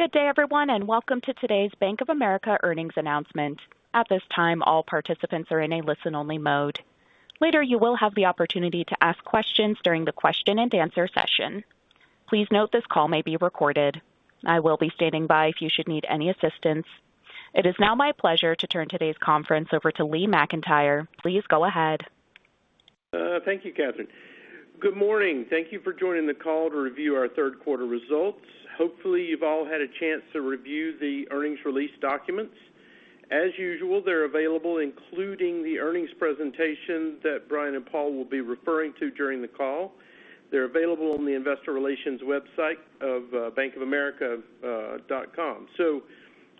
Good day, everyone, and welcome to today's Bank of America earnings announcement. At this time, all participants are in a listen-only mode. Later, you will have the opportunity to ask questions during the question-and-answer session. Please note this call may be recorded. I will be standing by if you should need any assistance. It is now my pleasure to turn today's conference over to Lee McEntire. Please go ahead. Thank you, Catherine. Good morning. Thank you for joining the call to review our third quarter results. Hopefully, you've all had a chance to review the earnings release documents. As usual, they're available, including the earnings presentation that Brian and Paul will be referring to during the call. They're available on the investor relations website of bankofamerica.com.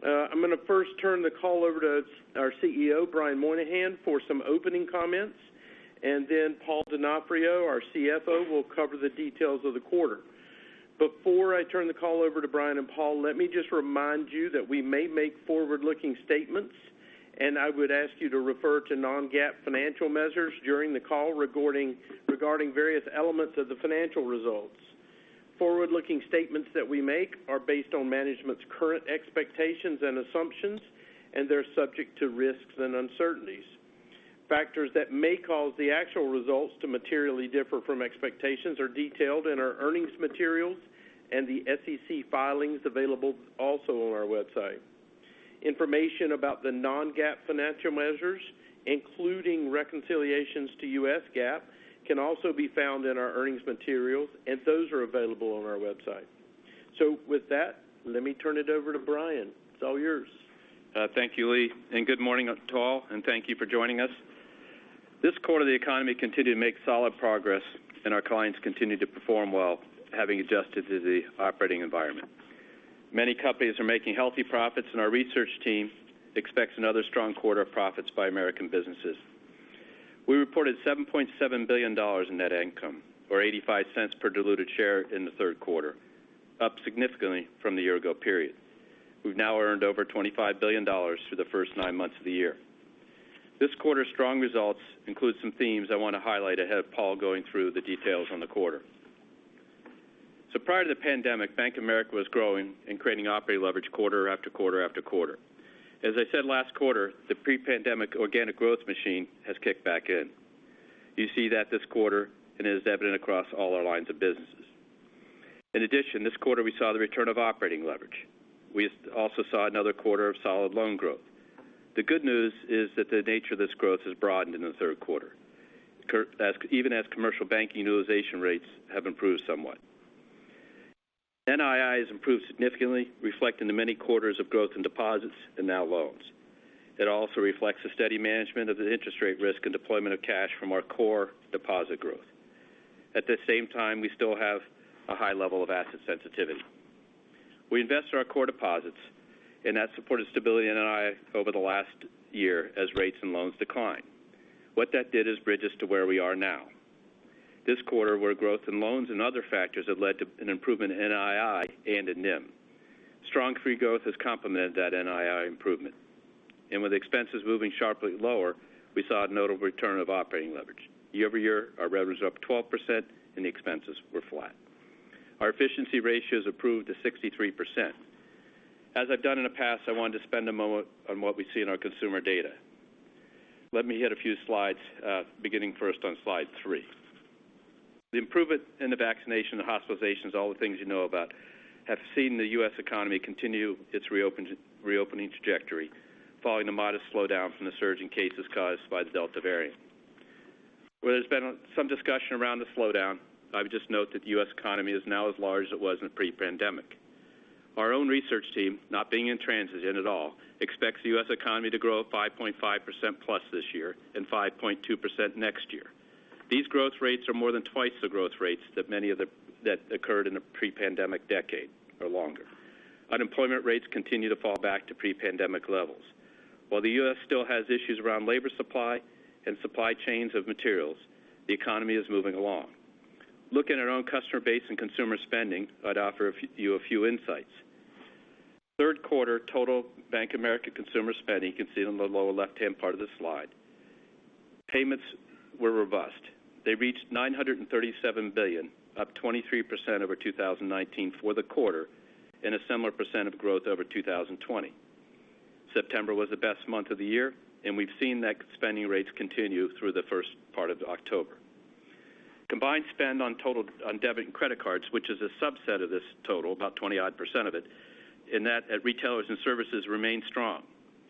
I'm going to first turn the call over to our CEO, Brian Moynihan, for some opening comments. Then Paul Donofrio, our CFO, will cover the details of the quarter. Before I turn the call over to Brian and Paul, let me just remind you that we may make forward-looking statements, and I would ask you to refer to non-GAAP financial measures during the call regarding various elements of the financial results. Forward-looking statements that we make are based on management's current expectations and assumptions, and they're subject to risks and uncertainties. Factors that may cause the actual results to materially differ from expectations are detailed in our earnings materials and the SEC filings available also on our website. Information about the non-GAAP financial measures, including reconciliations to U.S. GAAP, can also be found in our earnings materials, and those are available on our website. With that, let me turn it over to Brian. It's all yours. Thank you, Lee. Good morning to all, and thank you for joining us. This quarter, the economy continued to make solid progress. Our clients continued to perform well, having adjusted to the operating environment. Many companies are making healthy profits. Our research team expects another strong quarter of profits by American businesses. We reported $7.7 billion in net income or $0.85 per diluted share in the third quarter, up significantly from the year-ago period. We've now earned over $25 billion through the first nine months of the year. This quarter's strong results include some themes I want to highlight ahead of Paul going through the details on the quarter. Prior to the pandemic, Bank of America was growing and creating operating leverage quarter after quarter after quarter. As I said last quarter, the pre-pandemic organic growth machine has kicked back in. You see that this quarter, and it is evident across all our lines of businesses. In addition, this quarter, we saw the return of operating leverage. We also saw another quarter of solid loan growth. The good news is that the nature of this growth has broadened in the third quarter, even as commercial banking utilization rates have improved somewhat. NII has improved significantly, reflecting the many quarters of growth in deposits and now loans. It also reflects the steady management of the interest rate risk and deployment of cash from our core deposit growth. At the same time, we still have a high level of asset sensitivity. We invest our core deposits, and that supported stability in NII over the last year as rates and loans decline. What that did is bridge us to where we are now. This quarter, where growth in loans and other factors have led to an improvement in NII and in NIM. Strong fee growth has complemented that NII improvement. With expenses moving sharply lower, we saw a notable return of operating leverage. Year-over-year, our revenues are up 12% and the expenses were flat. Our efficiency ratios improved to 63%. As I've done in the past, I wanted to spend a moment on what we see in our consumer data. Let me hit a few slides, beginning first on slide 3. The improvement in the vaccination, the hospitalizations, all the things you know about, have seen the U.S. economy continue its reopening trajectory following a modest slowdown from the surge in cases caused by the Delta variant. Where there's been some discussion around the slowdown, I would just note that the U.S. economy is now as large as it was in pre-pandemic. Our own research team, not being in transit at all, expects the U.S. economy to grow at 5.5%+ this year and 5.2% next year. These growth rates are more than twice the growth rates that occurred in the pre-pandemic decade or longer. Unemployment rates continue to fall back to pre-pandemic levels. The U.S. still has issues around labor supply and supply chains of materials, the economy is moving along. Looking at our own customer base and consumer spending, I'd offer you a few insights. Third quarter total Bank of America consumer spending, you can see it on the lower left-hand part of the slide. Payments were robust. They reached $937 billion, up 23% over 2019 for the quarter, and a similar percentage of growth over 2020. September was the best month of the year, and we've seen that spending rates continue through the first part of October. Combined spend on debit and credit cards, which is a subset of this total, about 20-odd % of it, in that retailers and services remain strong.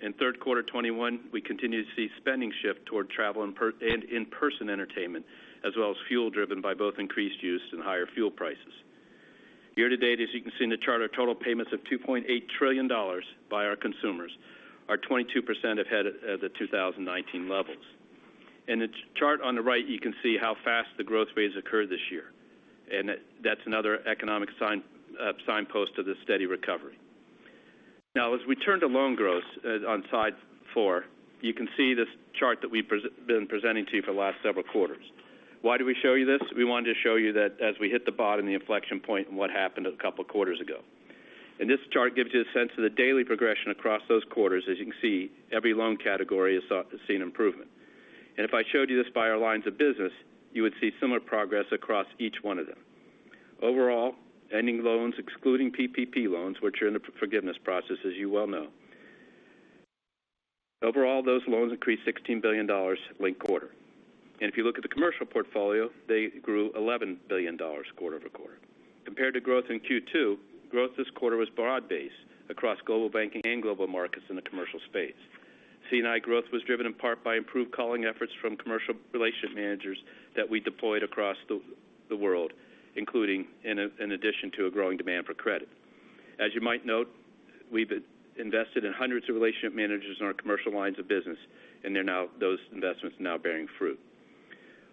In third quarter 2021, we continue to see spending shift toward travel and in-person entertainment, as well as fuel driven by both increased use and higher fuel prices. Year-to-date, as you can see in the chart, our total payments of $2.8 trillion by our consumers are 22% ahead of the 2019 levels. In the chart on the right, you can see how fast the growth rates occurred this year, and that's another economic signpost of this steady recovery. As we turn to loan growth on slide 4, you can see this chart that we've been presenting to you for the last several quarters. Why do we show you this? We wanted to show you that as we hit the bottom, the inflection point, and what happened a couple of quarters ago. This chart gives you a sense of the daily progression across those quarters. As you can see, every loan category has seen improvement. If I showed you this by our lines of business, you would see similar progress across each one of them. Overall, ending loans, excluding PPP loans, which are in the forgiveness process, as you well know. Overall, those loans increased $16 billion linked quarter. If you look at the commercial portfolio, they grew $11 billion quarter-over-quarter. Compared to growth in Q2, growth this quarter was broad-based across global banking and global markets in the commercial space. C&I growth was driven in part by improved calling efforts from commercial relationship managers that we deployed across the world, including in addition to a growing demand for credit. As you might note, we've invested in hundreds of relationship managers in our commercial lines of business, and those investments are now bearing fruit.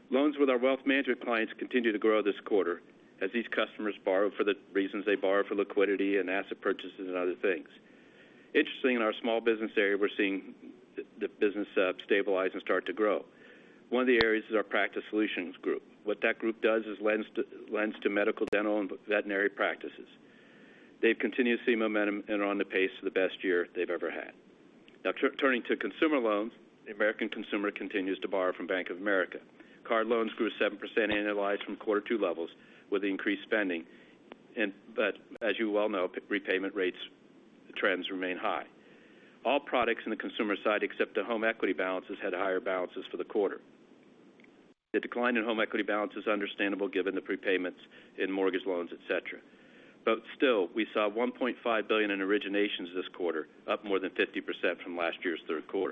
Loans with our wealth management clients continue to grow this quarter, as these customers borrow for the reasons they borrow for liquidity and asset purchases and other things. Interesting in our small business area, we're seeing the business stabilize and start to grow. One of the areas is our Practice Solutions group. What that group does is lends to medical, dental, and veterinary practices. They've continued to see momentum and are on the pace of the best year they've ever had. Turning to consumer loans, the American consumer continues to borrow from Bank of America. Card loans grew 7% annualized from Q2 levels with increased spending. As you well know, repayment rates trends remain high. All products in the consumer side, except the home equity balances, had higher balances for the quarter. The decline in home equity balance is understandable given the prepayments in mortgage loans, et cetera. Still, we saw $1.5 billion in originations this quarter, up more than 50% from last year's Q3.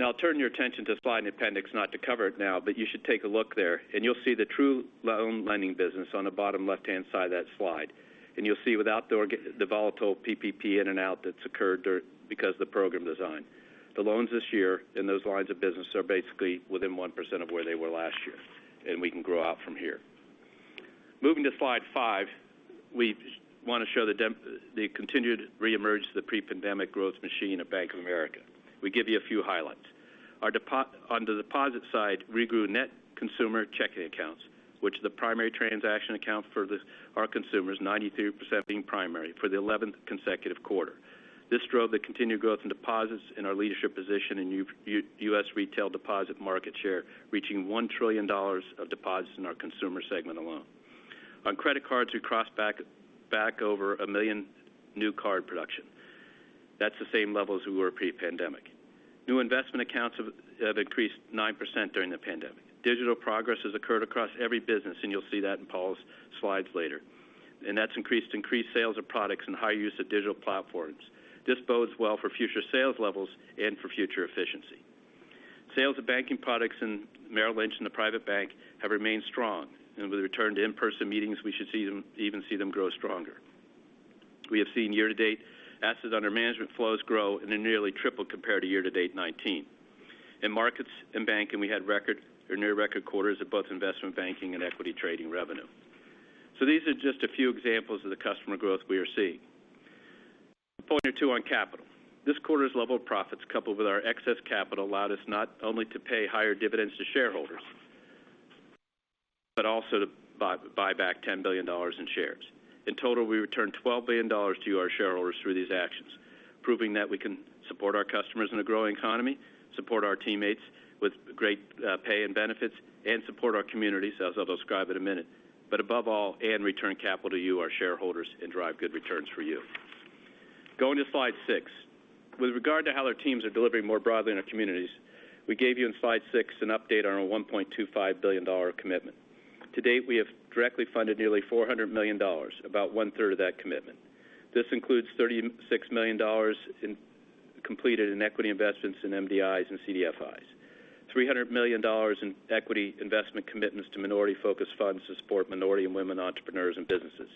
I'll turn your attention to slide and appendix, not to cover it now, but you should take a look there, and you'll see the true loan lending business on the bottom left-hand side of that slide. You'll see without the volatile PPP in and out that's occurred because of the program design. The loans this year in those lines of business are basically within 1% of where they were last year, and we can grow out from here. Moving to slide 5, we want to show the continued re-emerge of the pre-pandemic growth machine at Bank of America. We give you a few highlights. On the deposit side, we grew net consumer checking accounts, which the primary transaction account for our consumers, 93% being primary, for the 11th consecutive quarter. This drove the continued growth in deposits in our leadership position in U.S. retail deposit market share, reaching $1 trillion of deposits in our consumer segment alone. On credit cards, we crossed back over 1 million new card production. That's the same levels we were pre-pandemic. New investment accounts have increased 9% during the pandemic. Digital progress has occurred across every business, and you'll see that in Paul's slides later. That's increased sales of products and high use of digital platforms. This bodes well for future sales levels and for future efficiency. Sales of banking products in Merrill Lynch and the private bank have remained strong. With a return to in-person meetings, we should even see them grow stronger. We have seen year-to-date assets under management flows grow and are nearly triple compared to year-to-date 2019. In markets and banking, we had record or near record quarters of both investment banking and equity trading revenue. These are just a few examples of the customer growth we are seeing. A point or two on capital. This quarter's level of profits, coupled with our excess capital, allowed us not only to pay higher dividends to shareholders, but also to buy back $10 billion in shares. In total, we returned $12 billion to our shareholders through these actions, proving that we can support our customers in a growing economy, support our teammates with great pay and benefits, and support our communities, as I'll describe in a minute. Above all, and return capital to you, our shareholders, and drive good returns for you. Going to slide 6. With regard to how our teams are delivering more broadly in our communities, we gave you in slide 6 an update on our $1.25 billion commitment. To date, we have directly funded nearly $400 million, about one-third of that commitment. This includes $36 million completed in equity investments in MDIs and CDFIs. $300 million in equity investment commitments to minority-focused funds to support minority and women entrepreneurs and businesses.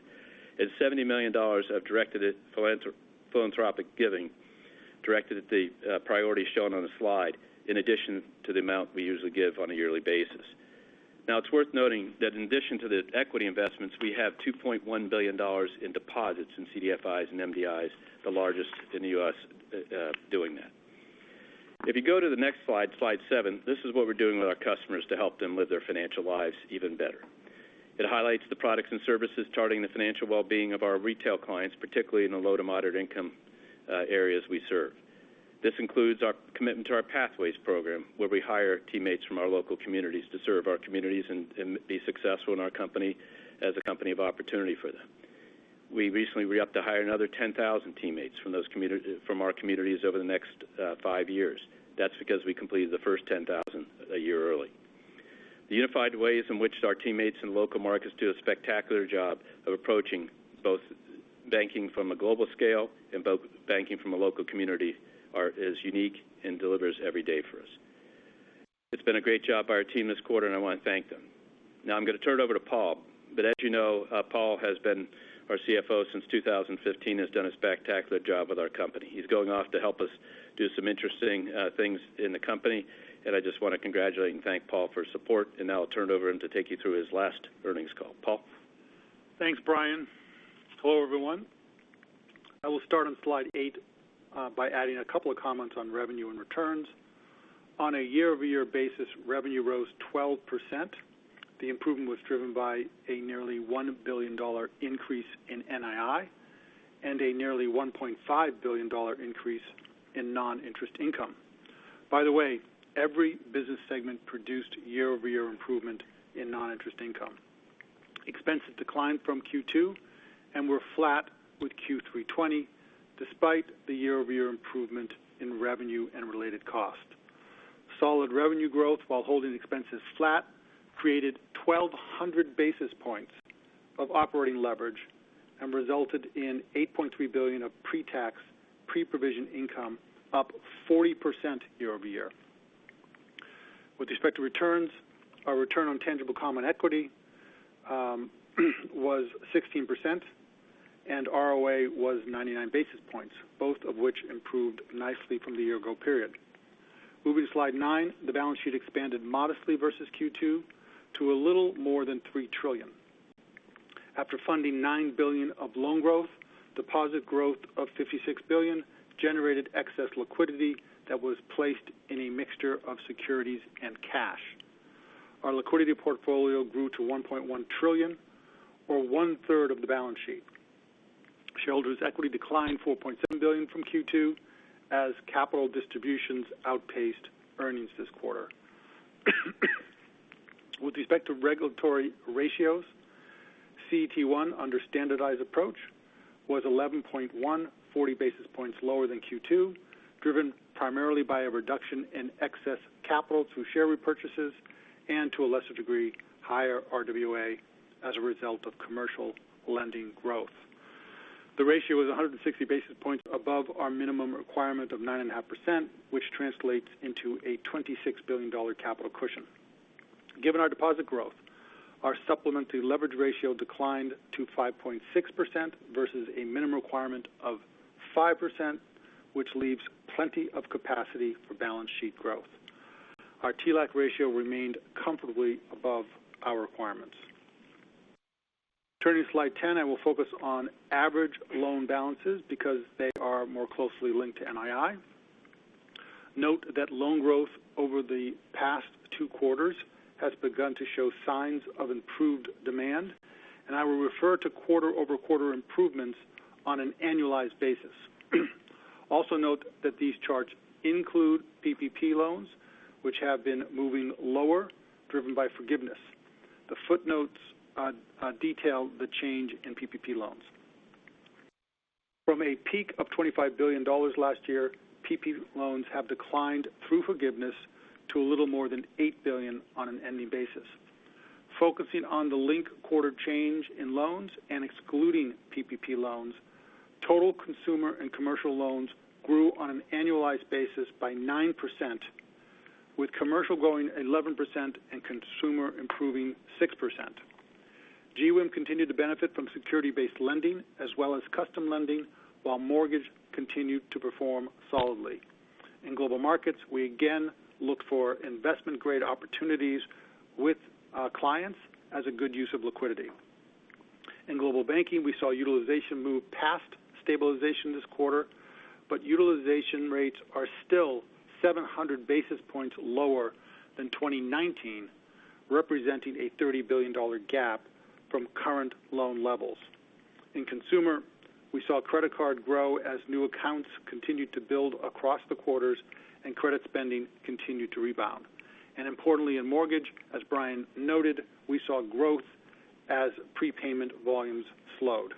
$70 million of philanthropic giving directed at the priorities shown on the slide, in addition to the amount we usually give on a yearly basis. Now, it's worth noting that in addition to the equity investments, we have $2.1 billion in deposits in CDFIs and MDIs, the largest in the U.S. doing that. If you go to the next slide 7, this is what we're doing with our customers to help them live their financial lives even better. It highlights the products and services charting the financial well-being of our retail clients, particularly in the low to moderate income areas we serve. This includes our commitment to our Pathways program, where we hire teammates from our local communities to serve our communities and be successful in our company as a company of opportunity for them. We recently re-upped to hire another 10,000 teammates from our communities over the next five years. That's because we completed the first 10,000 a year early. The unified ways in which our teammates in local markets do a spectacular job of approaching both banking from a global scale and banking from a local community is unique and delivers every day for us. It's been a great job by our team this quarter, and I want to thank them. I'm going to turn it over to Paul. As you know, Paul has been our CFO since 2015, has done a spectacular job with our company. He's going off to help us do some interesting things in the company, and I just want to congratulate and thank Paul for his support, and now I'll turn it over to him to take you through his last earnings call. Paul? Thanks, Brian. Hello, everyone. I will start on slide 8 by adding a couple of comments on revenue and returns. On a year-over-year basis, revenue rose 12%. The improvement was driven by a nearly $1 billion increase in NII. A nearly $1.5 billion increase in non-interest income. By the way, every business segment produced year-over-year improvement in non-interest income. Expenses declined from Q2 and were flat with Q3 2020, despite the year-over-year improvement in revenue and related cost. Solid revenue growth while holding expenses flat created 1,200 basis points of operating leverage and resulted in $8.3 billion of pre-tax, pre-provision income, up 40% year-over-year. With respect to returns, our return on tangible common equity was 16%, and ROA was 99 basis points, both of which improved nicely from the year-ago period. Moving to slide 9, the balance sheet expanded modestly versus Q2 to a little more than $3 trillion. After funding $9 billion of loan growth, deposit growth of $56 billion generated excess liquidity that was placed in a mixture of securities and cash. Our liquidity portfolio grew to $1.1 trillion, or one-third of the balance sheet. Shareholders' equity declined $4.7 billion from Q2 as capital distributions outpaced earnings this quarter. With respect to regulatory ratios, CET1 under standardized approach was 11.1%, 40 basis points lower than Q2, driven primarily by a reduction in excess capital through share repurchases and, to a lesser degree, higher RWA as a result of commercial lending growth. The ratio is 160 basis points above our minimum requirement of 9.5%, which translates into a $26 billion capital cushion. Given our deposit growth, our supplementary leverage ratio declined to 5.6% versus a minimum requirement of 5%, which leaves plenty of capacity for balance sheet growth. Our TLAC ratio remained comfortably above our requirements. Turning to slide 10, I will focus on average loan balances because they are more closely linked to NII. Note that loan growth over the past two quarters has begun to show signs of improved demand. I will refer to quarter-over-quarter improvements on an annualized basis. Also note that these charts include PPP loans, which have been moving lower, driven by forgiveness. The footnotes detail the change in PPP loans. From a peak of $25 billion last year, PPP loans have declined through forgiveness to a little more than $8 billion on an ending basis. Focusing on the linked quarter change in loans, excluding PPP loans, total consumer and commercial loans grew on an annualized basis by 9%, with commercial growing 11% and consumer improving 6%. GWIM continued to benefit from security-based lending as well as custom lending while mortgage continued to perform solidly. In global markets, we again look for investment-grade opportunities with our clients as a good use of liquidity. In global banking, we saw utilization move past stabilization this quarter, utilization rates are still 700 basis points lower than 2019, representing a $30 billion gap from current loan levels. In consumer, we saw credit card grow as new accounts continued to build across the quarters and credit spending continued to rebound. Importantly, in mortgage, as Brian noted, we saw growth as prepayment volumes slowed.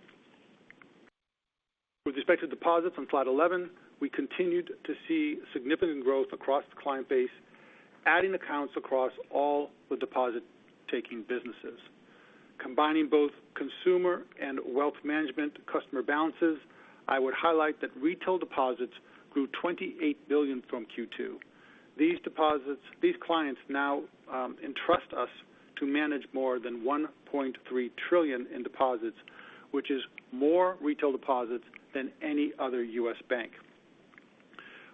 With respect to deposits on slide 11, we continued to see significant growth across the client base, adding accounts across all the deposit-taking businesses. Combining both consumer and wealth management customer balances, I would highlight that retail deposits grew $28 billion from Q2. These clients now entrust us to manage more than $1.3 trillion in deposits, which is more retail deposits than any other U.S. bank.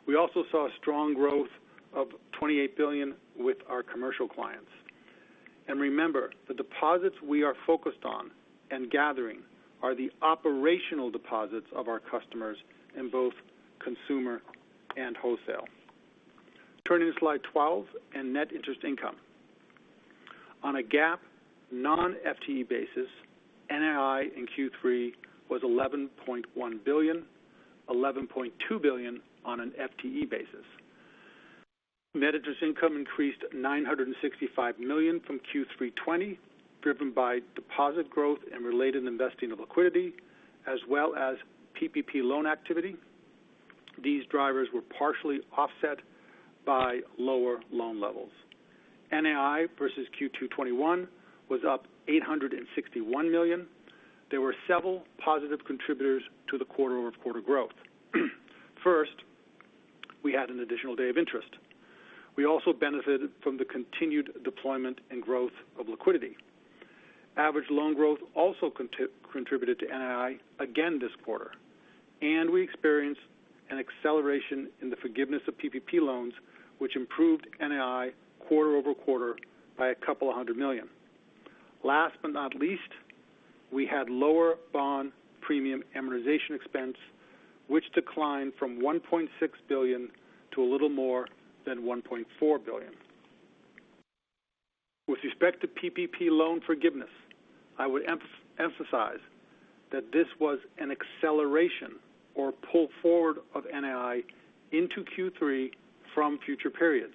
We also saw strong growth of $28 billion with our commercial clients. Remember, the deposits we are focused on and gathering are the operational deposits of our customers in both consumer and wholesale. Turning to slide 12 and net interest income. On a GAAP non-FTE basis, NII in Q3 was $11.1 billion, $11.2 billion on an FTE basis. Net interest income increased $965 million from Q3 2020, driven by deposit growth and related investing of liquidity, as well as PPP loan activity. These drivers were partially offset by lower loan levels. NII versus Q2 2021 was up $861 million. There were several positive contributors to the quarter-over-quarter growth. First, we had an additional day of interest. We also benefited from the continued deployment and growth of liquidity. Average loan growth also contributed to NII again this quarter. We experienced an acceleration in the forgiveness of PPP loans, which improved NII quarter-over-quarter by $200 million. Last but not least, we had lower bond premium amortization expense, which declined from $1.6 billion to a little more than $1.4 billion. With respect to PPP loan forgiveness, I would emphasize that this was an acceleration or pull forward of NII into Q3 from future periods.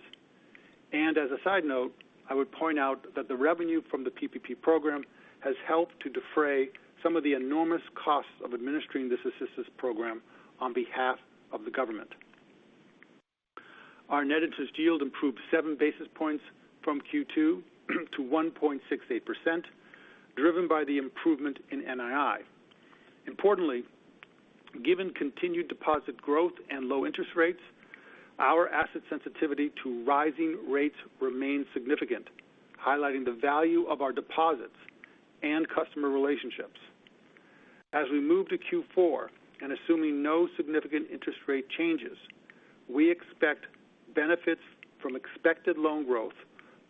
As a side note, I would point out that the revenue from the PPP program has helped to defray some of the enormous costs of administering this assistance program on behalf of the government. Our net interest yield improved 7 basis points from Q2 to 1.68%, driven by the improvement in NII. Importantly, given continued deposit growth and low interest rates, our asset sensitivity to rising rates remains significant, highlighting the value of our deposits and customer relationships. As we move to Q4, and assuming no significant interest rate changes, we expect benefits from expected loan growth,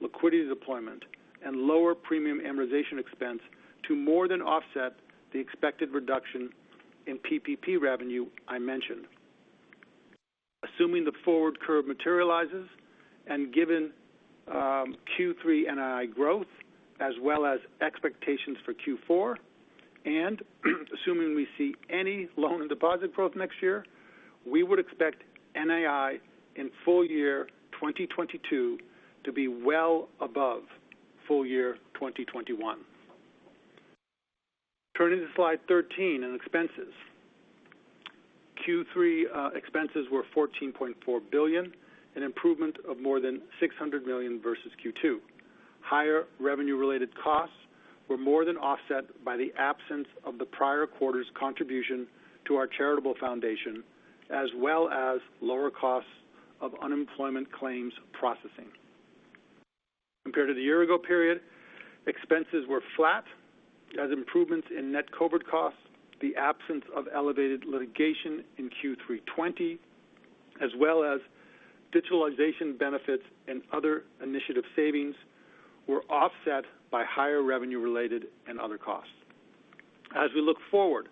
liquidity deployment, and lower premium amortization expense to more than offset the expected reduction in PPP revenue I mentioned. Assuming the forward curve materializes and given Q3 NII growth as well as expectations for Q4, and assuming we see any loan and deposit growth next year, we would expect NII in full year 2022 to be well above full year 2021. Turning to slide 13 on expenses. Q3 expenses were $14.4 billion, an improvement of more than $600 million versus Q2. Higher revenue-related costs were more than offset by the absence of the prior quarter's contribution to our charitable foundation, as well as lower costs of unemployment claims processing. Compared to the year-ago period, expenses were flat as improvements in net COVID costs, the absence of elevated litigation in Q3 2020, as well as digitalization benefits and other initiative savings were offset by higher revenue-related and other costs. As we look forward,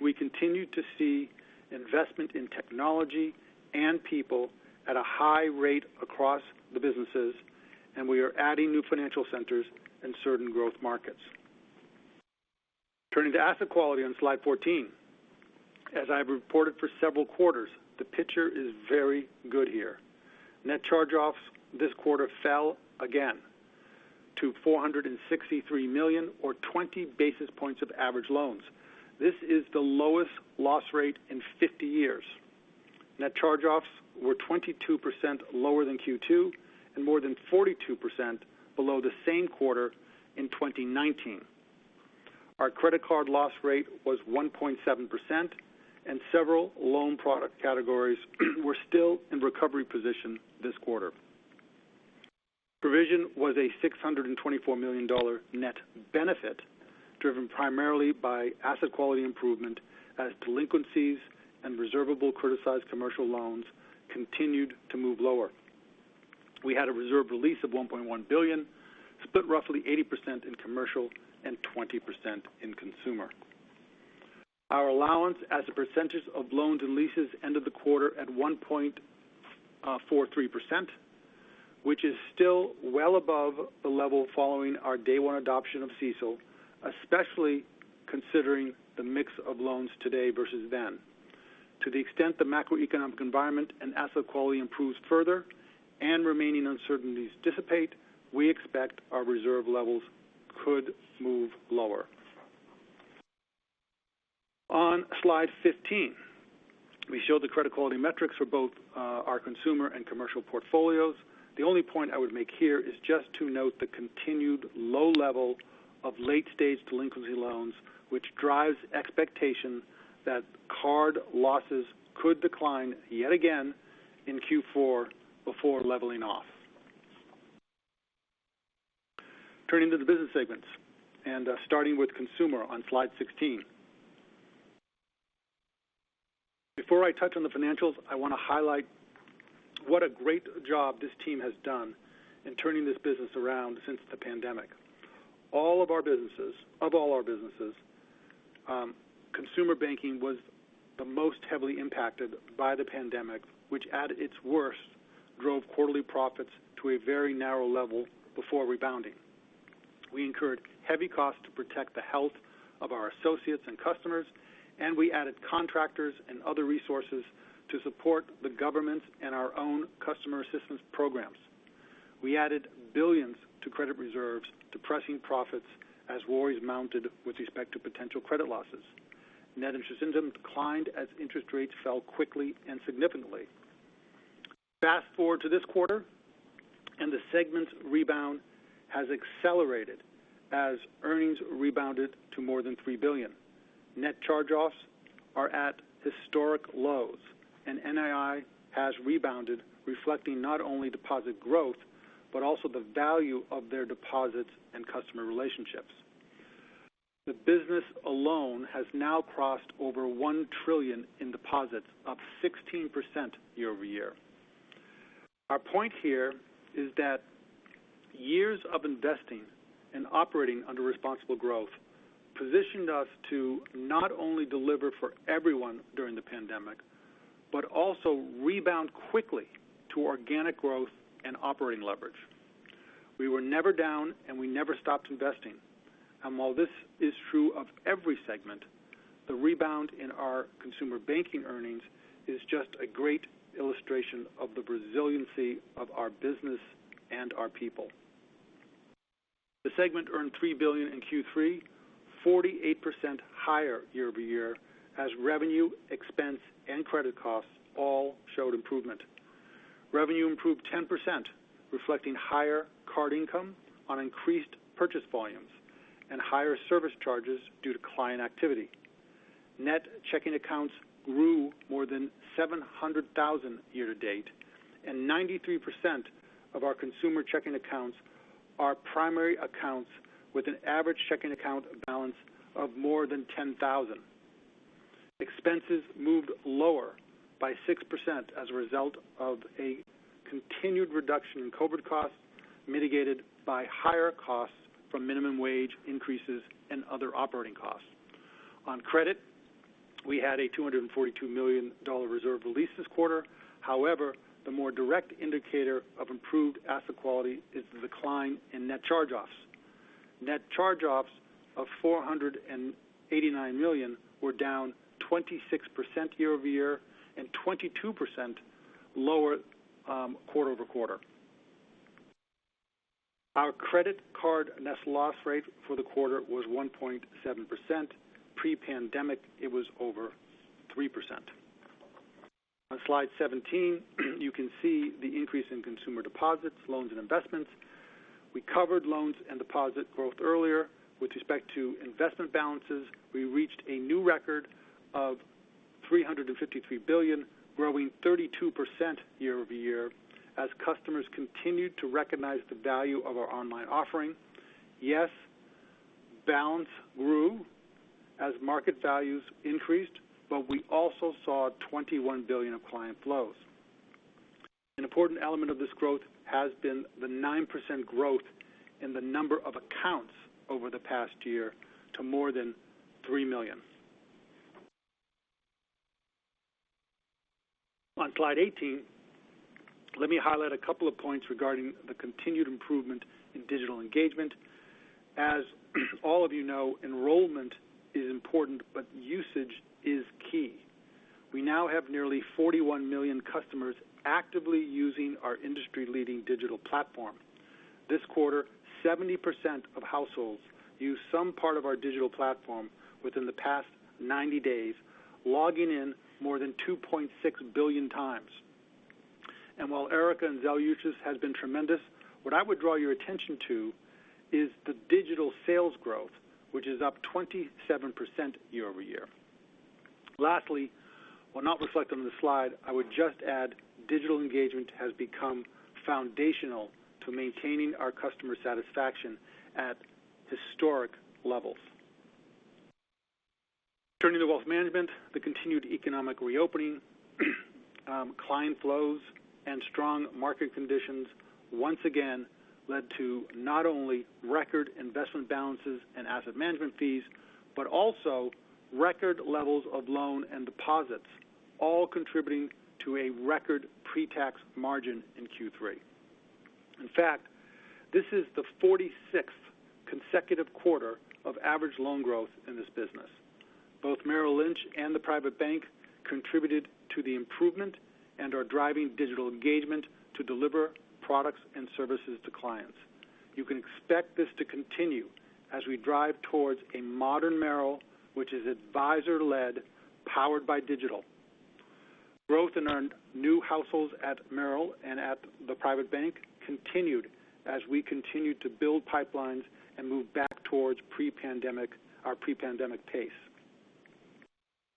we continue to see investment in technology and people at a high rate across the businesses, and we are adding new financial centers in certain growth markets. Turning to asset quality on slide 14. As I've reported for several quarters, the picture is very good here. Net charge-offs this quarter fell again to $463 million or 20 basis points of average loans. This is the lowest loss rate in 50 years. Net charge-offs were 22% lower than Q2 and more than 42% below the same quarter in 2019. Our credit card loss rate was 1.7%, and several loan product categories were still in recovery position this quarter. Provision was a $624 million net benefit, driven primarily by asset quality improvement as delinquencies and reservable criticized commercial loans continued to move lower. We had a reserve release of $1.1 billion, split roughly 80% in commercial and 20% in consumer. Our allowance as a percentage of loans and leases ended the quarter at 1.43%, which is still well above the level following our day one adoption of CECL, especially considering the mix of loans today versus then. To the extent the macroeconomic environment and asset quality improves further and remaining uncertainties dissipate, we expect our reserve levels could move lower. On slide 15, we show the credit quality metrics for both our consumer and commercial portfolios. The only point I would make here is just to note the continued low level of late-stage delinquency loans, which drives expectations that card losses could decline yet again in Q4 before leveling off. Turning to the business segments and starting with consumer on slide 16. Before I touch on the financials, I want to highlight what a great job this team has done in turning this business around since the pandemic. Of all our businesses, consumer banking was the most heavily impacted by the pandemic, which at its worst drove quarterly profits to a very narrow level before rebounding. We incurred heavy costs to protect the health of our associates and customers, and we added contractors and other resources to support the government and our own customer assistance programs. We added billions to credit reserves, depressing profits as worries mounted with respect to potential credit losses. Net Interest Income declined as interest rates fell quickly and significantly. Fast-forward to this quarter, and the segment's rebound has accelerated as earnings rebounded to more than $3 billion. Net charge-offs are at historic lows, and NII has rebounded, reflecting not only deposit growth, but also the value of their deposits and customer relationships. The business alone has now crossed over $1 trillion in deposits, up 16% year-over-year. Our point here is that years of investing and operating under responsible growth positioned us to not only deliver for everyone during the pandemic, but also rebound quickly to organic growth and operating leverage. We were never down, and we never stopped investing. While this is true of every segment, the rebound in our consumer banking earnings is just a great illustration of the resiliency of our business and our people. The segment earned $3 billion in Q3, 48% higher year-over-year, as revenue, expense, and credit costs all showed improvement. Revenue improved 10%, reflecting higher card income on increased purchase volumes and higher service charges due to client activity. Net checking accounts grew more than 700,000 year-to-date, and 93% of our consumer checking accounts are primary accounts with an average checking account balance of more than $10,000. Expenses moved lower by 6% as a result of a continued reduction in COVID costs, mitigated by higher costs from minimum wage increases and other operating costs. On credit, we had a $242 million reserve release this quarter. The more direct indicator of improved asset quality is the decline in net charge-offs. Net charge-offs of $489 million were down 26% year-over-year and 22% lower quarter-over-quarter. Our credit card net loss rate for the quarter was 1.7%. Pre-pandemic, it was over 3%. On slide 17, you can see the increase in consumer deposits, loans, and investments. We covered loans and deposit growth earlier. With respect to investment balances, we reached a new record of $353 billion, growing 32% year-over-year as customers continued to recognize the value of our online offering. Balance grew as market values increased, but we also saw $21 billion of client flows. An important element of this growth has been the 9% growth in the number of accounts over the past year to more than 3 million. On slide 18, let me highlight a couple of points regarding the continued improvement in digital engagement. As all of you know, enrollment is important, but usage is key. We now have nearly 41 million customers actively using our industry-leading digital platform. This quarter, 70% of households used some part of our digital platform within the past 90 days, logging in more than 2.6 billion times. While Erica and Zelle usage has been tremendous, what I would draw your attention to is the digital sales growth, which is up 27% year-over-year. Lastly, while not reflected on the slide, I would just add, digital engagement has become foundational to maintaining our customer satisfaction at historic levels. Turning to wealth management, the continued economic reopening, client flows, and strong market conditions once again led to not only record investment balances and asset management fees, but also record levels of loan and deposits, all contributing to a record pre-tax margin in Q3. In fact, this is the 46th consecutive quarter of average loan growth in this business. Both Merrill Lynch and the private bank contributed to the improvement and are driving digital engagement to deliver products and services to clients. You can expect this to continue as we drive towards a modern Merrill, which is advisor-led, powered by digital. Growth in our new households at Merrill and at the private bank continued as we continued to build pipelines and move back towards our pre-pandemic pace.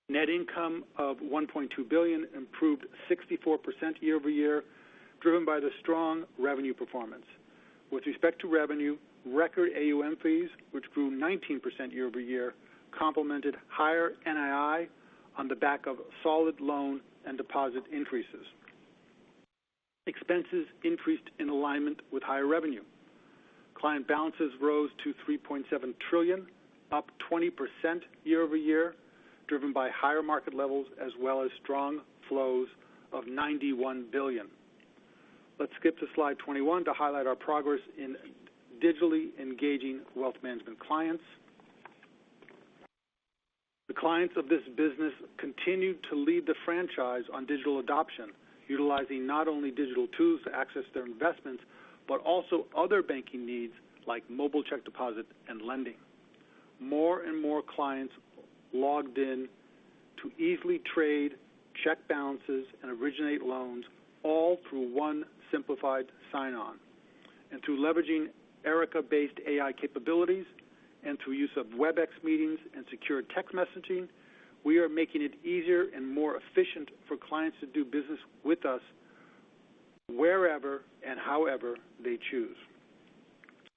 Net income of $1.2 billion improved 64% year-over-year, driven by the strong revenue performance. With respect to revenue, record AUM fees, which grew 19% year-over-year, complemented higher NII on the back of solid loan and deposit increases. Expenses increased in alignment with higher revenue. Client balances rose to $3.7 trillion, up 20% year-over-year, driven by higher market levels as well as strong flows of $91 billion. Let's skip to slide 21 to highlight our progress in digitally engaging wealth management clients. The clients of this business continued to lead the franchise on digital adoption, utilizing not only digital tools to access their investments, but also other banking needs like mobile check deposit and lending. More and more clients logged in to easily trade, check balances, and originate loans, all through one simplified sign-on. Through leveraging Erica-based AI capabilities and through use of Webex meetings and secure text messaging, we are making it easier and more efficient for clients to do business with us wherever and however they choose.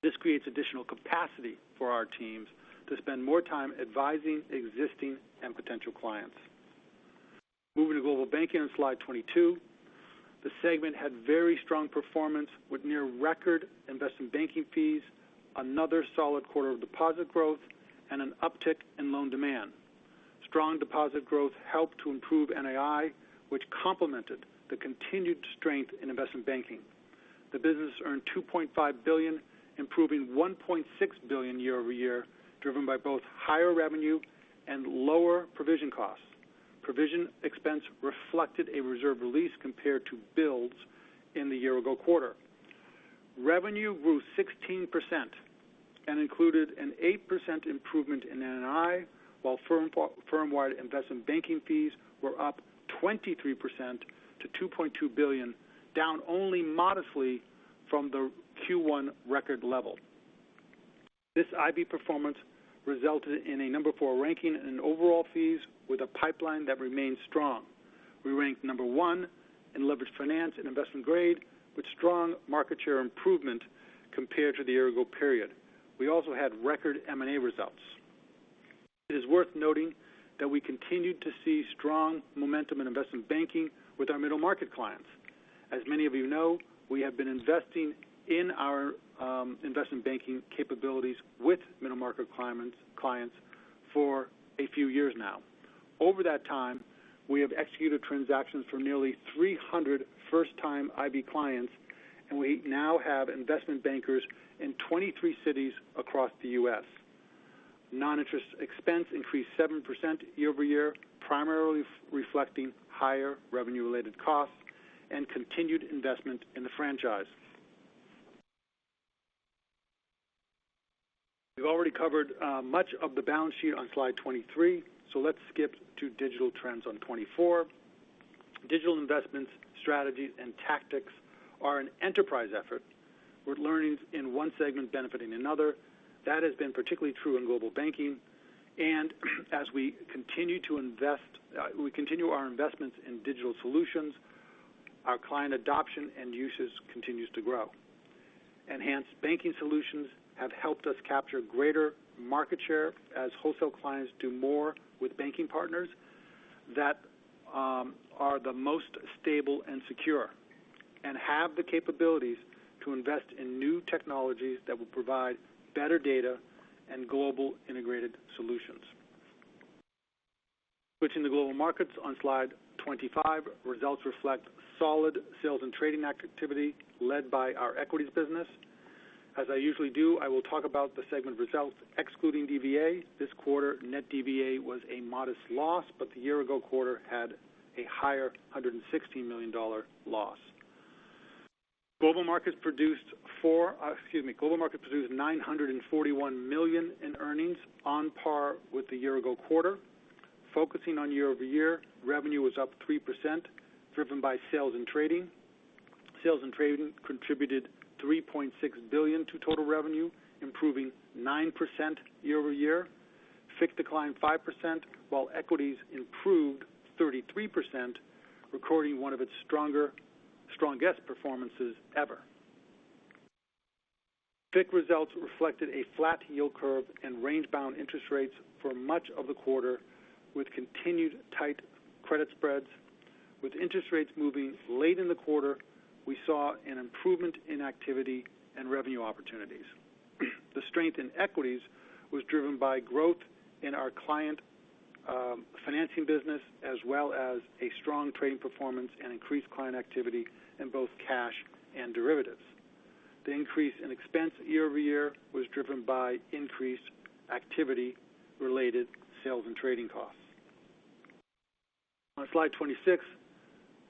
This creates additional capacity for our teams to spend more time advising existing and potential clients. Moving to global banking on slide 22. The segment had very strong performance with near record investment banking fees, another solid quarter of deposit growth, and an uptick in loan demand. Strong deposit growth helped to improve NII, which complemented the continued strength in investment banking. The business earned $2.5 billion, improving $1.6 billion year-over-year, driven by both higher revenue and lower provision costs. Provision expense reflected a reserve release compared to builds in the year-ago quarter. Revenue grew 16% and included an 8% improvement in NII, while firm-wide investment banking fees were up 23% to $2.2 billion, down only modestly from the Q1 record level. This IB performance resulted in a number four ranking in overall fees with a pipeline that remains strong. We ranked number one in leveraged finance and investment grade with strong market share improvement compared to the year-ago period. We also had record M&A results. It is worth noting that we continued to see strong momentum in investment banking with our middle-market clients. As many of you know, we have been investing in our investment banking capabilities with middle-market clients for a few years now. Over that time, we have executed transactions for nearly 300 first-time IB clients, and we now have investment bankers in 23 cities across the U.S. Non-interest expense increased 7% year-over-year, primarily reflecting higher revenue-related costs and continued investment in the franchise. We've already covered much of the balance sheet on slide 23. Let's skip to digital trends on 24. Digital investments, strategies, and tactics are an enterprise effort with learnings in one segment benefiting another. That has been particularly true in global banking. As we continue our investments in digital solutions, our client adoption and usage continues to grow. Enhanced banking solutions have helped us capture greater market share as wholesale clients do more with banking partners that are the most stable and secure and have the capabilities to invest in new technologies that will provide better data and global integrated solutions. Switching to global markets on slide 25. Results reflect solid sales and trading activity led by our equities business. As I usually do, I will talk about the segment results excluding DVA. This quarter, net DVA was a modest loss, but the year-ago quarter had a higher $160 million loss. Global markets produced $941 million in earnings, on par with the year-ago quarter. Focusing on year-over-year, revenue was up 3%, driven by sales and trading. Sales and trading contributed $3.6 billion to total revenue, improving 9% year-over-year. FICC declined 5%, while equities improved 33%, recording one of its strongest performances ever. FICC results reflected a flat yield curve and range-bound interest rates for much of the quarter, with continued tight credit spreads. With interest rates moving late in the quarter, we saw an improvement in activity and revenue opportunities. The strength in equities was driven by growth in our client financing business, as well as a strong trading performance and increased client activity in both cash and derivatives. The increase in expense year-over-year was driven by increased activity-related sales and trading costs. On slide 26,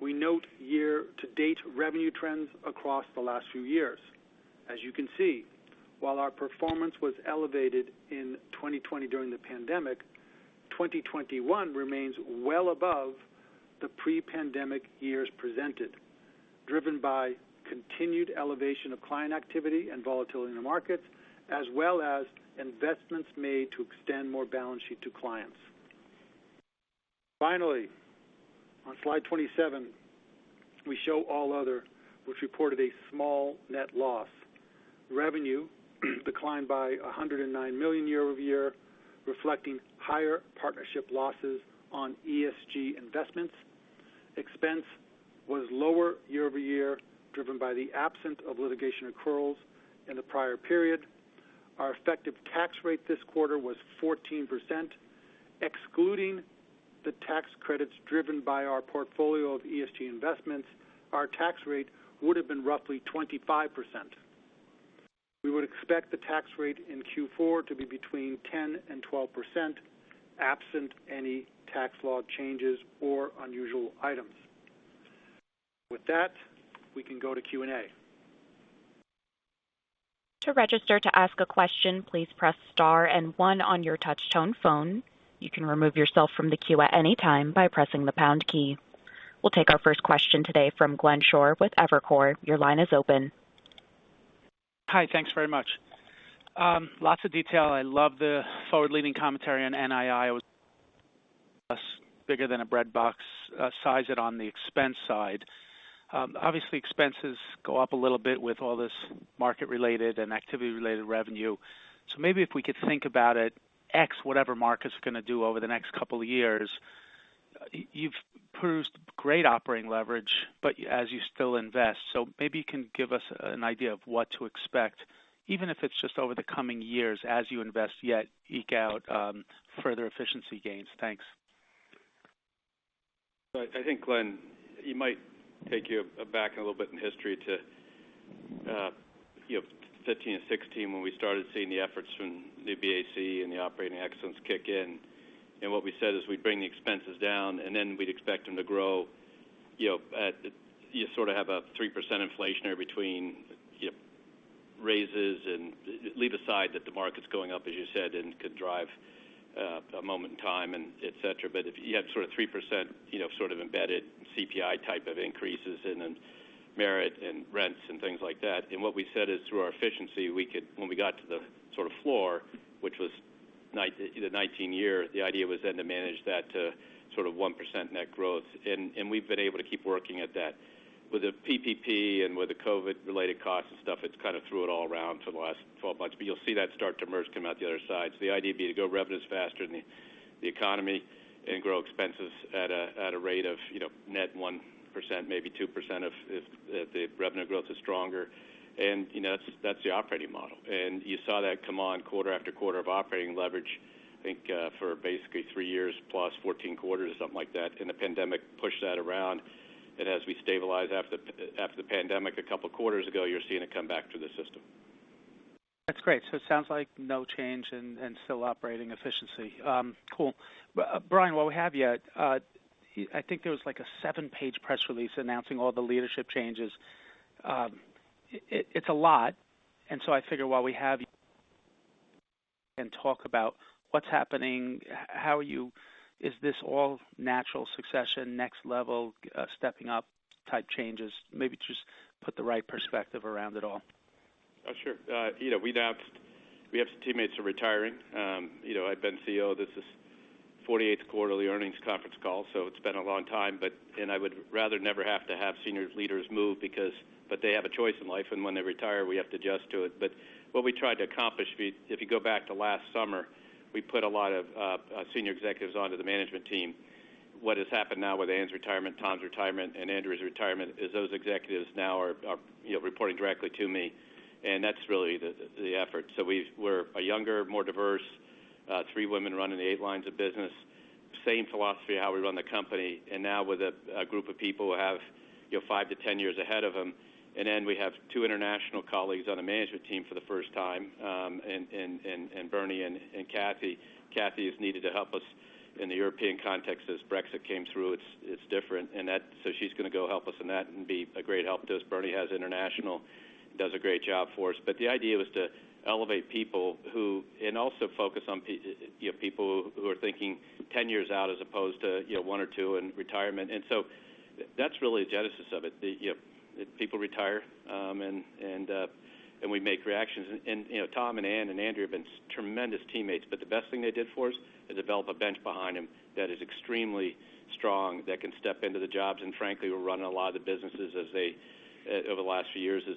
we note year-to-date revenue trends across the last few years. As you can see, while our performance was elevated in 2020 during the pandemic, 2021 remains well above the pre-pandemic years presented, driven by continued elevation of client activity and volatility in the markets, as well as investments made to extend more balance sheet to clients. Finally, on slide 27, we show all other which reported a small net loss. Revenue declined by $109 million year-over-year, reflecting higher partnership losses on ESG investments. Expense was lower year-over-year, driven by the absence of litigation accruals in the prior period. Our effective tax rate this quarter was 14%. Excluding the tax credits driven by our portfolio of ESG investments, our tax rate would have been roughly 25%. We would expect the tax rate in Q4 to be between 10% and 12%, absent any tax law changes or unusual items. With that, we can go to Q&A. We'll take our first question today from Glenn Schorr with Evercore. Your line is open. Hi. Thanks very much. Lots of detail. I love the forward-leading commentary on NII. It was bigger than a breadbox size it on the expense side. Obviously, expenses go up a little bit with all this market-related and activity-related revenue. Maybe if we could think about it, X, whatever markets are going to do over the next couple of years. You've proved great operating leverage, as you still invest. Maybe you can give us an idea of what to expect, even if it's just over the coming years as you invest, yet eke out further efficiency gains. Thanks. I think, Glenn, it might take you back a little bit in history to 2015 and 2016 when we started seeing the efforts from New BAC and the operating excellence kick in. What we said is we'd bring the expenses down, then we'd expect them to grow at, you sort of have a 3% inflationary between raises, and leave aside that the market's going up, as you said, and could drive a moment in time and et cetera. If you had 3% embedded CPI type of increases, then merit and rents and things like that. What we said is through our efficiency, when we got to the floor, which was the 2019 year, the idea was then to manage that to 1% net growth. We've been able to keep working at that. With the PPP and with the COVID-related costs and stuff, it's kind of threw it all around for the last 12 months. You'll see that start to emerge, come out the other side. The idea would be to grow revenues faster than the economy and grow expenses at a rate of net 1%, maybe 2% if the revenue growth is stronger. That's the operating model. You saw that come on quarter after quarter of operating leverage, I think for basically three years plus 14 quarters, something like that. The pandemic pushed that around. As we stabilize after the pandemic a couple of quarters ago, you're seeing it come back to the system. That's great. It sounds like no change and still operating efficiency. Cool. Brian, while we have you, I think there was a seven page press release announcing all the leadership changes. It's a lot, I figure while we have you and talk about what's happening. Is this all natural succession, next level, stepping up type changes? Maybe just put the right perspective around it all. Oh, sure. We announced we have some teammates who are retiring. I've been CEO. This is 48th quarterly earnings conference call. It's been a long time. I would rather never have to have senior leaders move because they have a choice in life, and when they retire, we have to adjust to it. What we tried to accomplish, if you go back to last summer, we put a lot of senior executives onto the management team. What has happened now with Anne's retirement, Tom's retirement, and Andrew's retirement is those executives now are reporting directly to me. That's really the effort. We're a younger, more diverse. Three women running the eight lines of business. Same philosophy how we run the company. Now with a group of people who have five to ten years ahead of them. Then we have two international colleagues on the management team for the first time, in Bernie and Kathy. Kathy is needed to help us in the European context as Brexit came through. It's different. She's going to go help us in that and be a great help to us. Bernie has international, does a great job for us. The idea was to elevate people who, and also focus on people who are thinking 10 years out as opposed to one or two and retirement. That's really the genesis of it. People retire, and we make reactions. Tom and Anne and Andrew have been tremendous teammates. The best thing they did for us is develop a bench behind them that is extremely strong, that can step into the jobs. Frankly, we're running a lot of the businesses over the last few years, as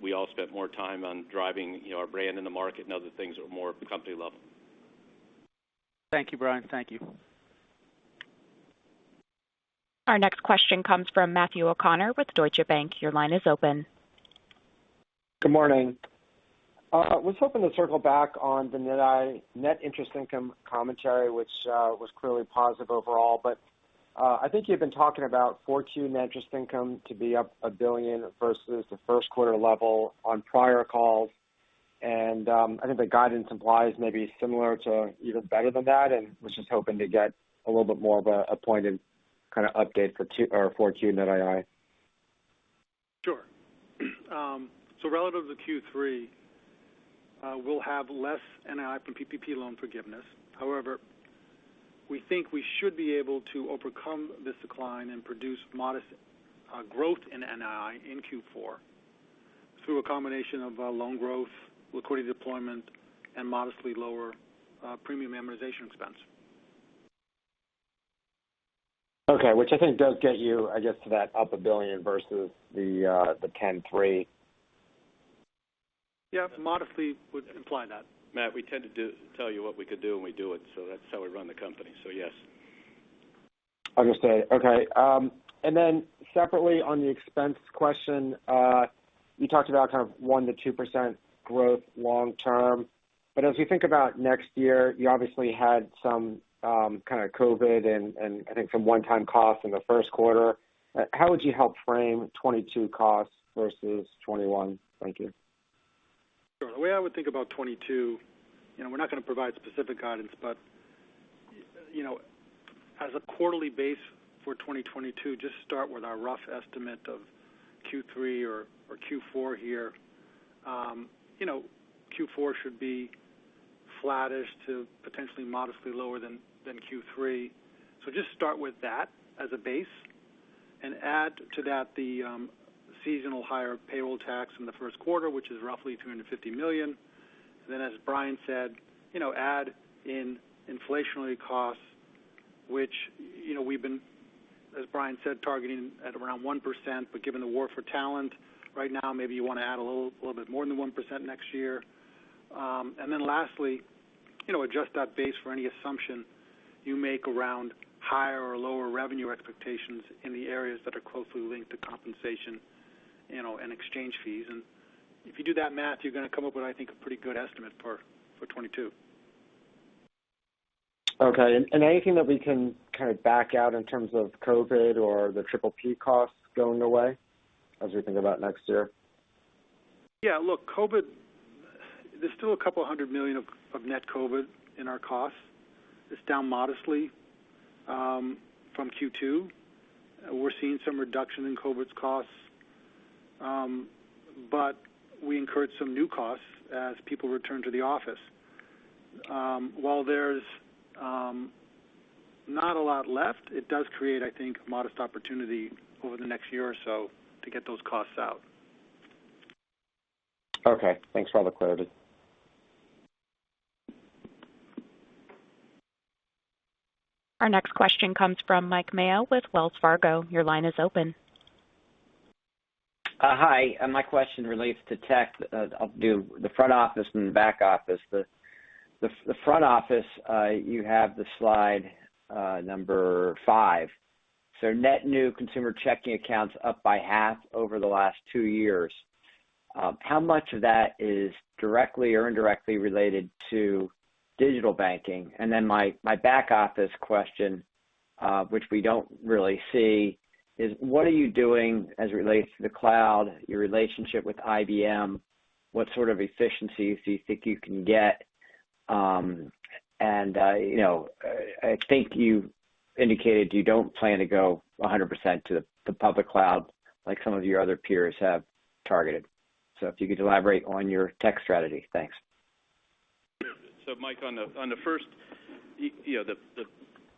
we all spent more time on driving our brand in the market and other things at a more company level. Thank you, Brian. Thank you. Our next question comes from Matthew O'Connor with Deutsche Bank. Your line is open. Good morning. Was hoping to circle back on the net interest income commentary, which was clearly positive overall. I think you've been talking about 4Q net interest income to be up $1 billion versus the first quarter level on prior calls. I think the guidance implies maybe similar to even better than that, and was just hoping to get a little bit more of a pointed kind of update for 4Q net II. Sure. Relative to Q3, we'll have less NII from PPP loan forgiveness. However, we think we should be able to overcome this decline and produce modest growth in NII in Q4 through a combination of loan growth, liquidity deployment, and modestly lower premium amortization expense. Okay. Which I think does get you, I guess, to that up $1 billion versus the $10.3. Yeah. Modestly would imply that. Matt, we tend to tell you what we could do when we do it. That's how we run the company. Yes. Understood. Okay. Separately on the expense question, you talked about kind of 1%-2% growth long term, as we think about next year, you obviously had some kind of COVID and I think some one-time costs in the first quarter. How would you help frame 2022 costs versus 2021? Thank you. Sure. The way I would think about 2022, we're not going to provide specific guidance, but as a quarterly base for 2022, just start with our rough estimate of Q3 or Q4 here. Q4 should be flattish to potentially modestly lower than Q3. Just start with that as a base, and add to that the seasonal higher payroll tax in the first quarter, which is roughly $350 million. As Brian said, add in inflationary costs, As Brian said, targeting at around 1%, but given the war for talent right now, maybe you want to add a little bit more than 1% next year. Lastly, adjust that base for any assumption you make around higher or lower revenue expectations in the areas that are closely linked to compensation and exchange fees. If you do that math, you're going to come up with, I think, a pretty good estimate for 2022. Okay. Anything that we can kind of back out in terms of COVID or the PPP costs going away as we think about next year? Yeah. Look, COVID, there's still $200 million of net COVID in our costs. It's down modestly from Q2. We're seeing some reduction in COVID's costs. We incurred some new costs as people return to the office. While there's not a lot left, it does create, I think, modest opportunity over the next year or so to get those costs out. Okay. Thanks for all the clarity. Our next question comes from Mike Mayo with Wells Fargo. Your line is open. Hi. My question relates to tech. I'll do the front office and the back office. The front office, you have the slide number 5. Net new consumer checking accounts up by half over the last two years. How much of that is directly or indirectly related to digital banking? My back office question, which we don't really see is, what are you doing as it relates to the cloud, your relationship with IBM? What sort of efficiencies do you think you can get? I think you indicated you don't plan to go 100% to the public cloud like some of your other peers have targeted. If you could elaborate on your tech strategy. Thanks. Mike, on the first,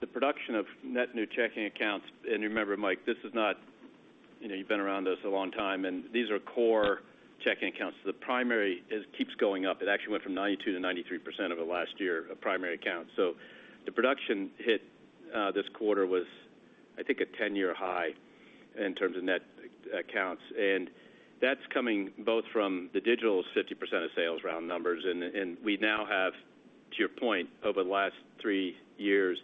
the production of net new checking accounts, remember, Mike, you've been around us a long time, these are core checking accounts. The primary, it keeps going up. It actually went from 92% to 93% over the last year of primary accounts. The production hit this quarter was, I think, a 10-year high in terms of net accounts. That's coming both from the digital's 50% of sales round numbers. We now have, to your point, over the last three years,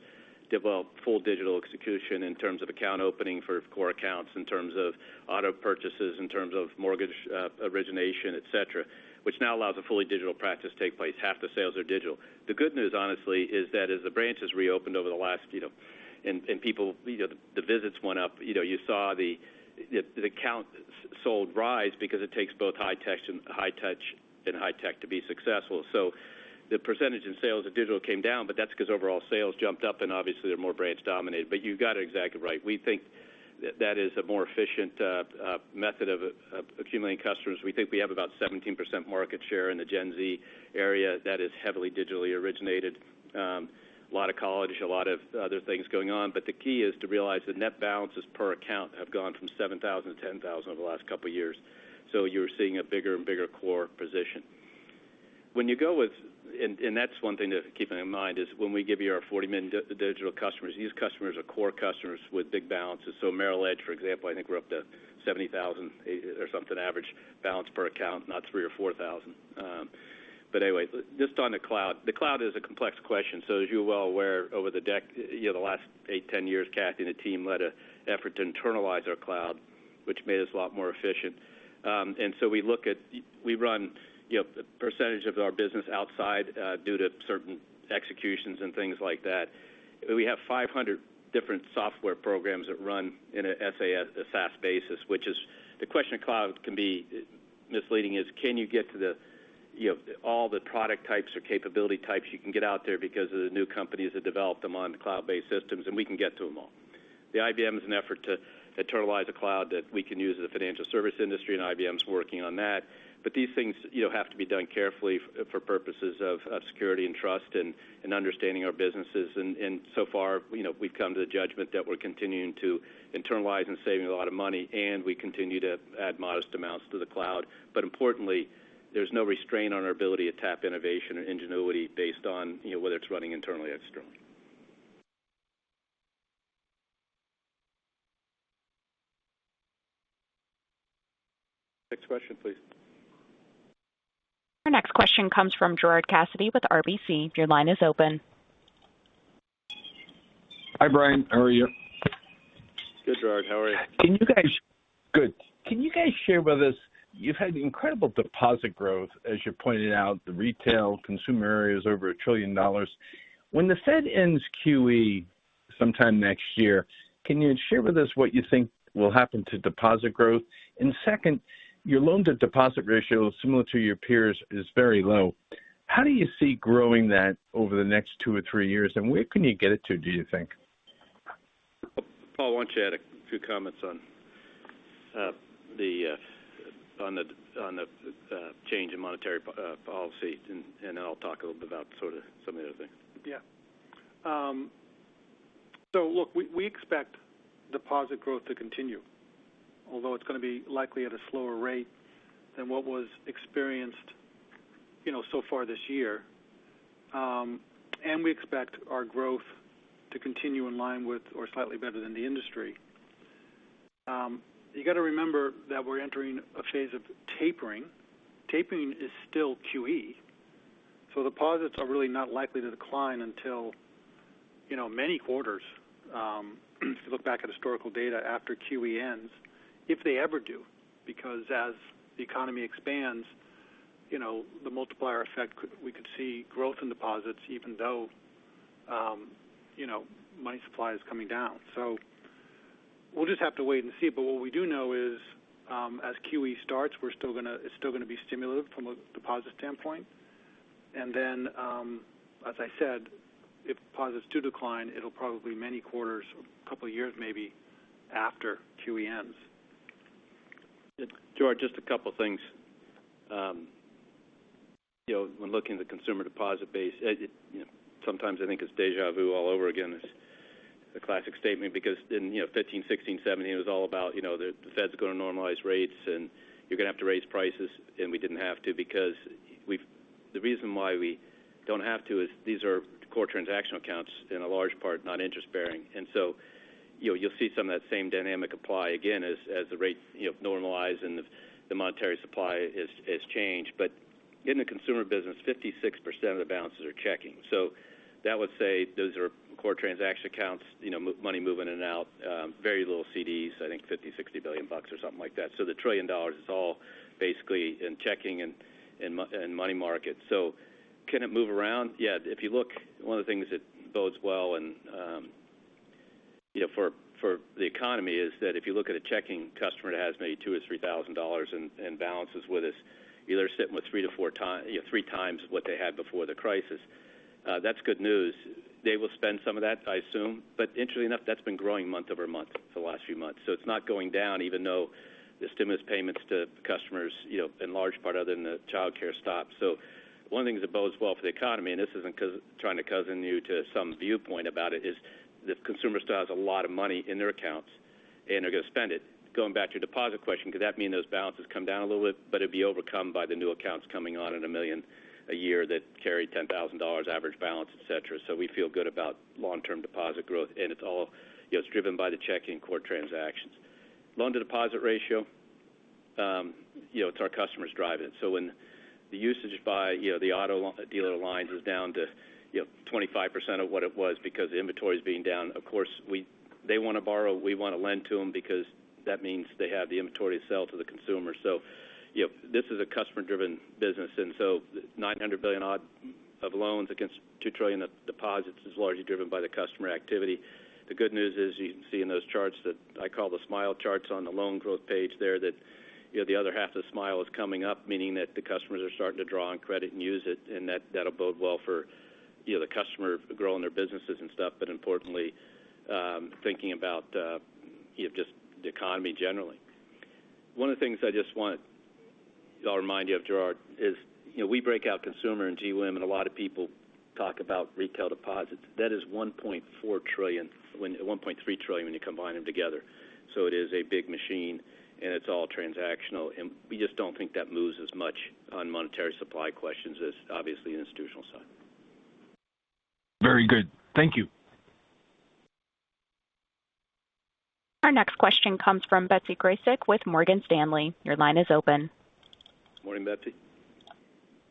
developed full digital execution in terms of account opening for core accounts, in terms of auto purchases, in terms of mortgage origination, et cetera, which now allows a fully digital practice to take place. Half the sales are digital. The good news, honestly, is that as the branches reopened over the last, and the visits went up. You saw the accounts sold rise because it takes both high touch and high tech to be successful. The percentage in sales of digital came down, that's because overall sales jumped up, and obviously they're more branch-dominated. You got it exactly right. We think that is a more efficient method of accumulating customers. We think we have about 17% market share in the Gen Z area that is heavily digitally originated. A lot of college, a lot of other things going on. The key is to realize that net balances per account have gone from $7,000-$10,000 over the last couple of years. You're seeing a bigger and bigger core position. That's 1 thing to keep in mind is when we give you our 40 million digital customers, these customers are core customers with big balances. Merrill Edge, for example, I think we're up to $70,000 or something average balance per account, not $3,000 or $4,000. Anyway, just on the cloud. The cloud is a complex question. As you're well aware, over the last eight, ten years, Kathy and the team led an effort to internalize our cloud, which made us a lot more efficient. We run a percentage of our business outside due to certain executions and things like that. We have 500 different software programs that run in a SaaS basis. The question of cloud can be misleading is can you get to all the product types or capability types you can get out there because of the new companies that develop them on cloud-based systems, and we can get to them all. The IBM is an effort to internalize a cloud that we can use as a financial service industry, and IBM's working on that. These things have to be done carefully for purposes of security and trust and understanding our businesses. So far, we've come to the judgment that we're continuing to internalize and saving a lot of money, and we continue to add modest amounts to the cloud. Importantly, there's no restraint on our ability to tap innovation or ingenuity based on whether it's running internally or externally. Next question, please. Our next question comes from Gerard Cassidy with RBC. Your line is open. Hi, Brian. How are you? Good, Gerard. How are you? Good. Can you guys share with us, you've had incredible deposit growth. As you pointed out, the retail consumer area is over $1 trillion. When the Fed ends QE sometime next year, can you share with us what you think will happen to deposit growth? Second, your loan-to-deposit ratio, similar to your peers, is very low. How do you see growing that over the next two or three years, and where can you get it to, do you think? Paul, why don't you add a few comments on the change in monetary policy, and then I'll talk a little bit about some of the other things. Yeah. Look, we expect deposit growth to continue, although it's going to be likely at a slower rate than what was experienced so far this year. We expect our growth to continue in line with or slightly better than the industry. You got to remember that we're entering a phase of tapering. Tapering is still QE. Deposits are really not likely to decline until many quarters, if you look back at historical data after QE ends, if they ever do, because as the economy expands, the multiplier effect, we could see growth in deposits even though money supply is coming down. We'll just have to wait and see. What we do know is as QE starts, it's still going to be stimulative from a deposit standpoint. As I said, if deposits do decline, it'll probably be many quarters, a couple of years maybe, after QE ends. Gerard, just a couple of things. When looking at the consumer deposit base sometimes I think it's deja vu all over again is the classic statement because in 2015, 2016, 2017, it was all about the Fed's going to normalize rates and you're going to have to raise prices. We didn't have to because the reason why we don't have to is these are core transactional accounts in a large part, not interest-bearing. You'll see some of that same dynamic apply again as the rate normalizes and the monetary supply has changed. In the consumer business, 56% of the balances are checking. That would say those are core transaction accounts, money moving in and out. Very little CDs, I think $50 billion-$60 billion or something like that. The $1 trillion is all basically in checking and money markets. Can it move around? Yeah. If you look, one of the things that bodes well for the economy is that if you look at a checking customer that has maybe $2,000 or $3,000 in balances with us, they're sitting with three times what they had before the crisis. That's good news. They will spend some of that, I assume. Interestingly enough, that's been growing month-over-month for the last few months. It's not going down even though the stimulus payments to customers in large part other than the childcare stopped. One of the things that bodes well for the economy, and this isn't trying to cozen you to some viewpoint about it, is the consumer still has a lot of money in their accounts, and they're going to spend it. Going back to your deposit question, could that mean those balances come down a little bit? It'd be overcome by the new accounts coming on at $1 million a year that carry $10,000 average balance, et cetera. We feel good about long-term deposit growth, and it's driven by the checking core transactions. Loan-to-deposit ratio, it's our customers driving it. When the usage by the auto dealer lines was down to 25% of what it was because the inventory is being down. Of course, they want to borrow. We want to lend to them because that means they have the inventory to sell to the consumer. This is a customer-driven business. $900 billion odd of loans against $2 trillion of deposits is largely driven by the customer activity. The good news is you can see in those charts that I call the smile charts on the loan growth page there that the other half of the smile is coming up, meaning that the customers are starting to draw on credit and use it, and that'll bode well for the customer growing their businesses and stuff. Importantly thinking about just the economy generally. One of the things I'll remind you of, Gerard, is we break out consumer and GWIM, and a lot of people talk about retail deposits. That is $1.3 trillion when you combine them together. It is a big machine, and it's all transactional. We just don't think that moves as much on monetary supply questions as obviously the institutional side. Very good. Thank you. Our next question comes from Betsy Graseck with Morgan Stanley. Your line is open. Morning, Betsy.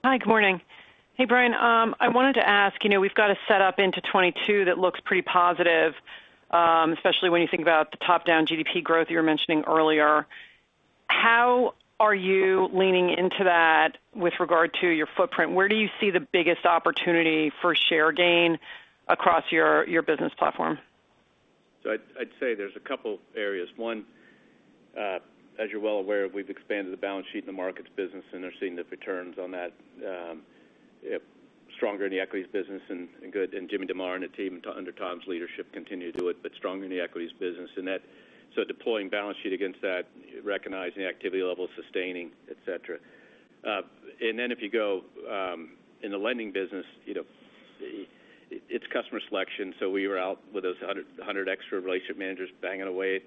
Hi. Good morning. Hey, Brian. I wanted to ask, we've got a set up into 2022 that looks pretty positive especially when you think about the top-down GDP growth you were mentioning earlier. How are you leaning into that with regard to your footprint? Where do you see the biggest opportunity for share gain across your business platform? I'd say there's a couple areas. One as you're well aware of, we've expanded the balance sheet in the markets business, and they're seeing the returns on that stronger in the equities business and good. James DeMare and the team under Tom's leadership continue to do it, but stronger in the equities business. Deploying balance sheet against that, recognizing the activity level, sustaining, et cetera. If you go in the lending business it's customer selection. We were out with those 100 extra relationship managers banging away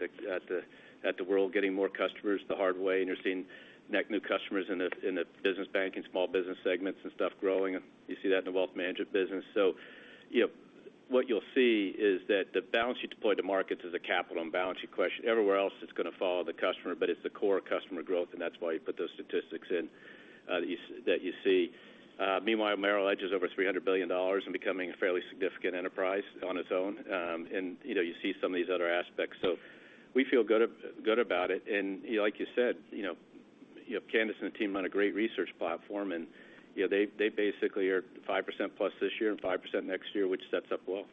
at the world, getting more customers the hard way. You're seeing net new customers in the business banking, small business segments and stuff growing. You see that in the wealth management business. What you'll see is that the balance sheet deployed to markets is a capital and balance sheet question. Everywhere else, it's going to follow the customer, but it's the core customer growth, and that's why you put those statistics in that you see. Meanwhile, Merrill Edge is over $300 billion and becoming a fairly significant enterprise on its own. You see some of these other aspects. We feel good about it. Like you said, Candace and the team run a great research platform, and they basically are 5% plus this year and 5% next year, which sets up well.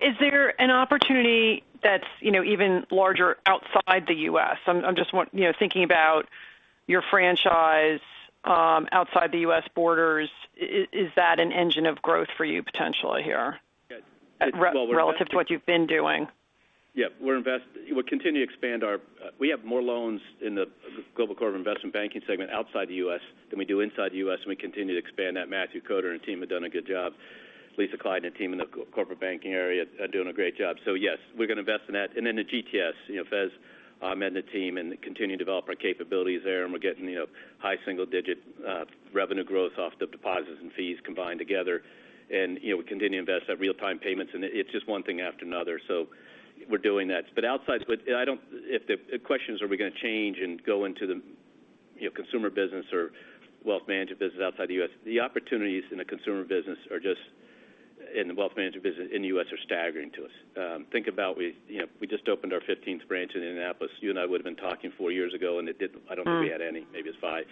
Is there an opportunity that's even larger outside the U.S.? I'm just thinking about your franchise outside the U.S. borders. Is that an engine of growth for you potentially relative to what you've been doing? Yeah. We have more loans in the Global Corporate and Investment Banking segment outside the U.S. than we do inside the U.S. We continue to expand that. Matthew Koder and team have done a good job. Lisa Clyde and the team in the corporate banking area are doing a great job. Yes, we're going to invest in that. The GTS, Faiz, I'm adding the team and continue to develop our capabilities there. We're getting high single-digit revenue growth off the deposits and fees combined together. We continue to invest at real-time payments. It's just one thing after another. We're doing that. Outside-- If the question is, are we going to change and go into the consumer business or wealth management business outside the U.S.? The opportunities in the consumer business or just in the wealth management business in the U.S. are staggering to us. Think about it. We just opened our fifteenth branch in Indianapolis. You and I would've been talking four years ago, I don't think we had any, maybe it's five.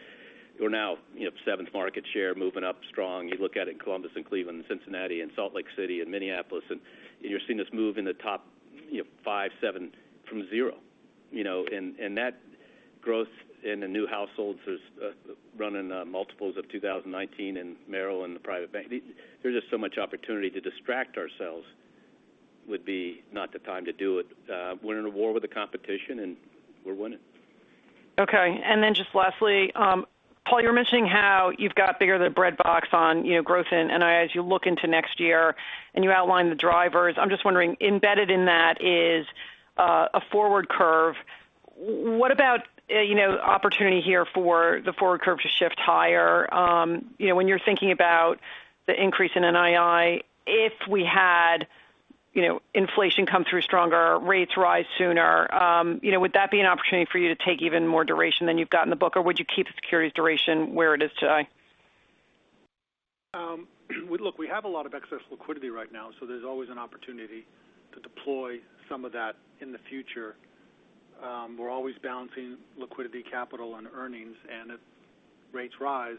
We're now seventh market share, moving up strong. You look at it in Columbus and Cleveland, Cincinnati, Salt Lake City, Minneapolis, and you're seeing us move in the top five, seven from zero. That growth in the new households is running multiples of 2019 in Merrill, the private bank. There's just so much opportunity to distract ourselves would be not the time to do it. We're in a war with the competition, we're winning. Okay. Just lastly, Paul, you were mentioning how you've got bigger than a breadbox on growth in NII as you look into next year and you outline the drivers. I'm just wondering, embedded in that is a forward curve. What about opportunity here for the forward curve to shift higher? When you're thinking about the increase in NII, if we had inflation come through stronger, rates rise sooner, would that be an opportunity for you to take even more duration than you've got in the book? Would you keep the securities duration where it is today? Look, we have a lot of excess liquidity right now, so there's always an opportunity to deploy some of that in the future. We're always balancing liquidity, capital, and earnings. If rates rise,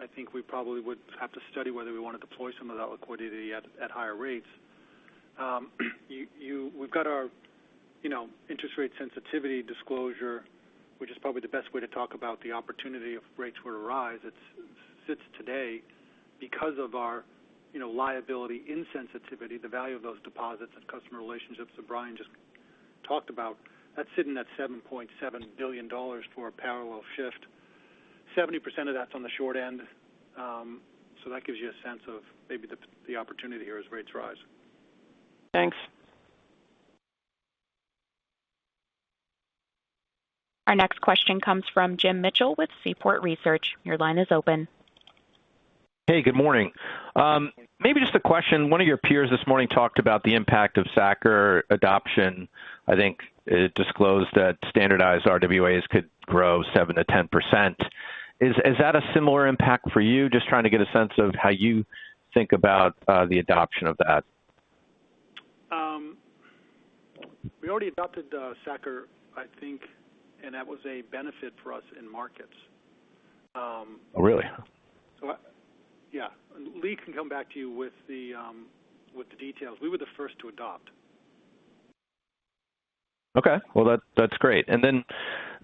I think we probably would have to study whether we want to deploy some of that liquidity at higher rates. We've got our interest rate sensitivity disclosure, which is probably the best way to talk about the opportunity if rates were to rise. It sits today because of our liability insensitivity, the value of those deposits and customer relationships that Brian just talked about. That's sitting at $7.7 billion for a parallel shift. 70% of that's on the short end. That gives you a sense of maybe the opportunity here as rates rise. Thanks. Our next question comes from Jim Mitchell with Seaport Research. Your line is open. Hey, good morning. Maybe just a question. One of your peers this morning talked about the impact of SA-CCR adoption. I think it disclosed that standardized RWAs could grow 7%-10%. Is that a similar impact for you? Just trying to get a sense of how you think about the adoption of that. We already adopted SA-CCR, I think, and that was a benefit for us in markets. Oh, really? Yeah. Lee can come back to you with the details. We were the first to adopt. Okay. Well, that's great. When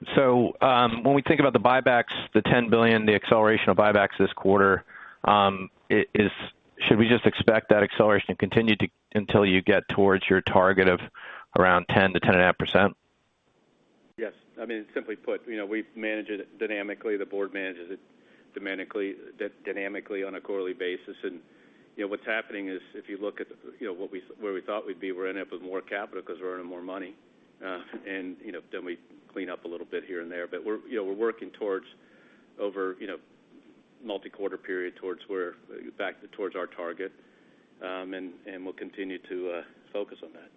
we think about the buybacks, the $10 billion, the acceleration of buybacks this quarter, should we just expect that acceleration to continue until you get towards your target of around 10%-10.5%? Yes. I mean, simply put, we manage it dynamically. The board manages it dynamically on a quarterly basis. What's happening is if you look at where we thought we'd be, we're ending up with more capital because we're earning more money. Then we clean up a little bit here and there. We're working towards over multi-quarter period back towards our target. We'll continue to focus on that.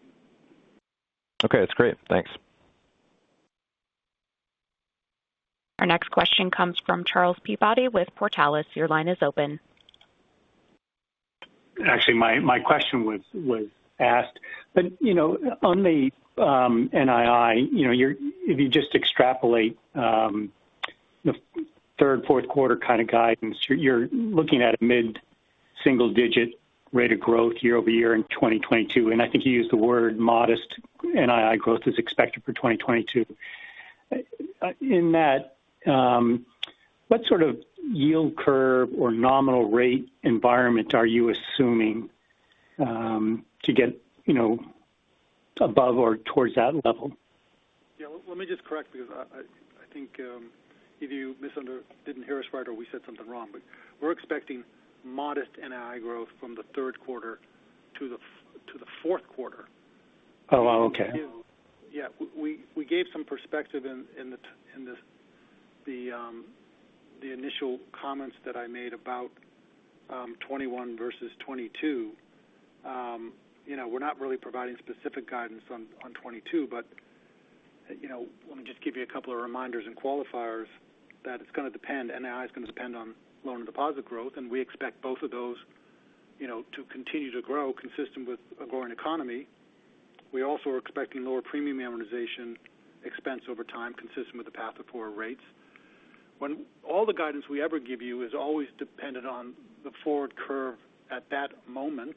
Okay. That's great. Thanks. Our next question comes from Charles Peabody with Portales. Your line is open. Actually, my question was asked. On the NII, if you just extrapolate the third, fourth quarter kind of guidance, you're looking at a mid-single-digit rate of growth year-over-year in 2022. I think you used the word modest NII growth is expected for 2022. In that, what sort of yield curve or nominal rate environment are you assuming to get above or towards that level? Yeah. Let me just correct because I think maybe you didn't hear us right or we said something wrong, but we're expecting modest NII growth from the third quarter to the fourth quarter. Oh, okay. Yeah. We gave some perspective in the initial comments that I made about 2021 versus 2022. We're not really providing specific guidance on 2022, but let me just give you a couple of reminders and qualifiers that it's going to depend, NII is going to depend on loan and deposit growth, and we expect both of those to continue to grow consistent with a growing economy. We also are expecting lower premium amortization expense over time consistent with the path of higher rates. When all the guidance we ever give you is always dependent on the forward curve at that moment.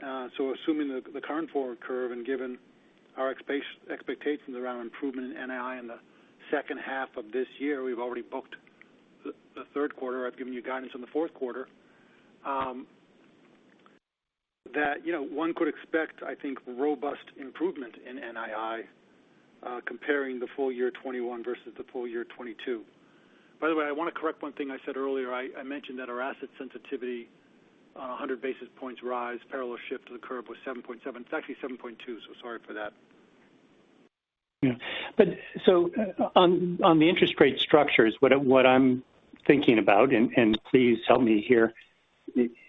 Assuming the current forward curve and given our expectations around improvement in NII in the second half of this year, we've already booked the third quarter. I've given you guidance on the fourth quarter. That one could expect, I think, robust improvement in NII comparing the full year 2021 versus the full year 2022. By the way, I want to correct one thing I said earlier. I mentioned that our asset sensitivity, 100 basis points rise parallel shift to the curve was 7.7. It's actually 7.2. Sorry for that. On the interest rate structures, what I'm thinking about, and please help me here,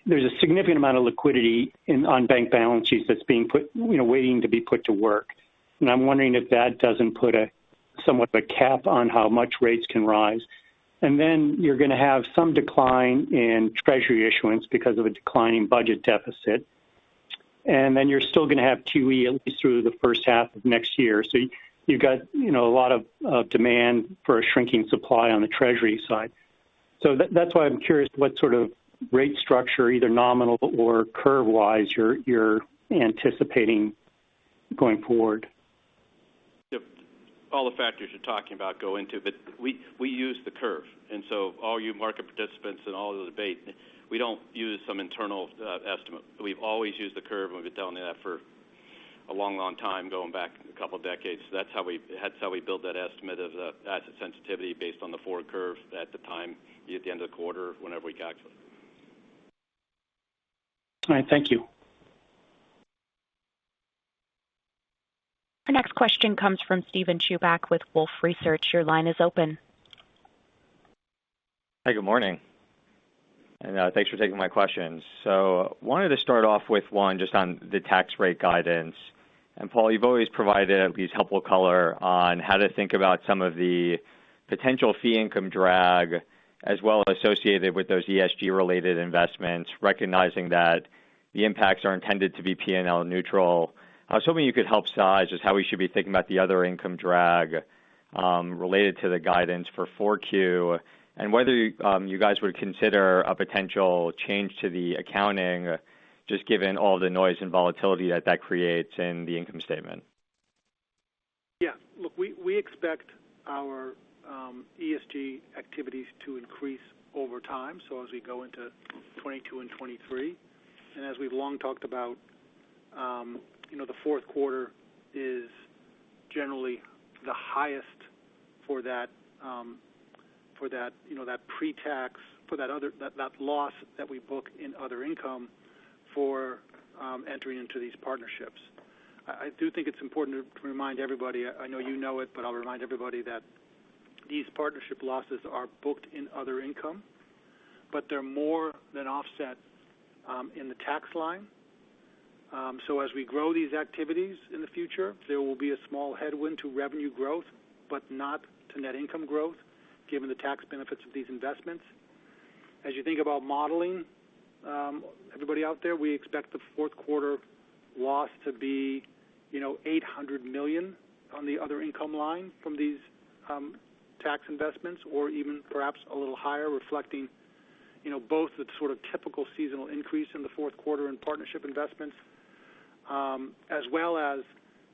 there's a significant amount of liquidity on bank balance sheets that's waiting to be put to work. I'm wondering if that doesn't put somewhat of a cap on how much rates can rise. Then you're going to have some decline in Treasury issuance because of a declining budget deficit. Then you're still going to have QE at least through the first half of next year. You've got a lot of demand for a shrinking supply on the Treasury side. That's why I'm curious what sort of rate structure, either nominal or curve-wise, you're anticipating going forward. All the factors you're talking about go into it. We use the curve. All you market participants and all the debate, we don't use some internal estimate. We've always used the curve, and we've been telling you that for a long, long time, going back couple decades. That's how we build that estimate of the asset sensitivity based on the forward curve at the time, be it at the end of the quarter or whenever we calculate. All right. Thank you. Our next question comes from Steven Chubak with Wolfe Research. Your line is open. Hi, good morning. Thanks for taking my questions. Wanted to start off with one just on the tax rate guidance. Paul, you've always provided at least helpful color on how to think about some of the potential fee income drag, as well associated with those ESG-related investments, recognizing that the impacts are intended to be P&L neutral. I was hoping you could help size just how we should be thinking about the other income drag related to the guidance for 4Q, and whether you guys would consider a potential change to the accounting just given all the noise and volatility that that creates in the income statement. Look, we expect our ESG activities to increase over time, as we go into 2022 and 2023. As we've long talked about, the fourth quarter is generally the highest for that pre-tax, for that loss that we book in other income for entering into these partnerships. I do think it's important to remind everybody, I know you know it, but I'll remind everybody that these partnership losses are booked in other income, but they're more than offset in the tax line. As we grow these activities in the future, there will be a small headwind to revenue growth, but not to net income growth, given the tax benefits of these investments. As you think about modeling everybody out there, we expect the fourth quarter loss to be $800 million on the other income line from these tax investments, or even perhaps a little higher, reflecting both the sort of typical seasonal increase in the fourth quarter in partnership investments.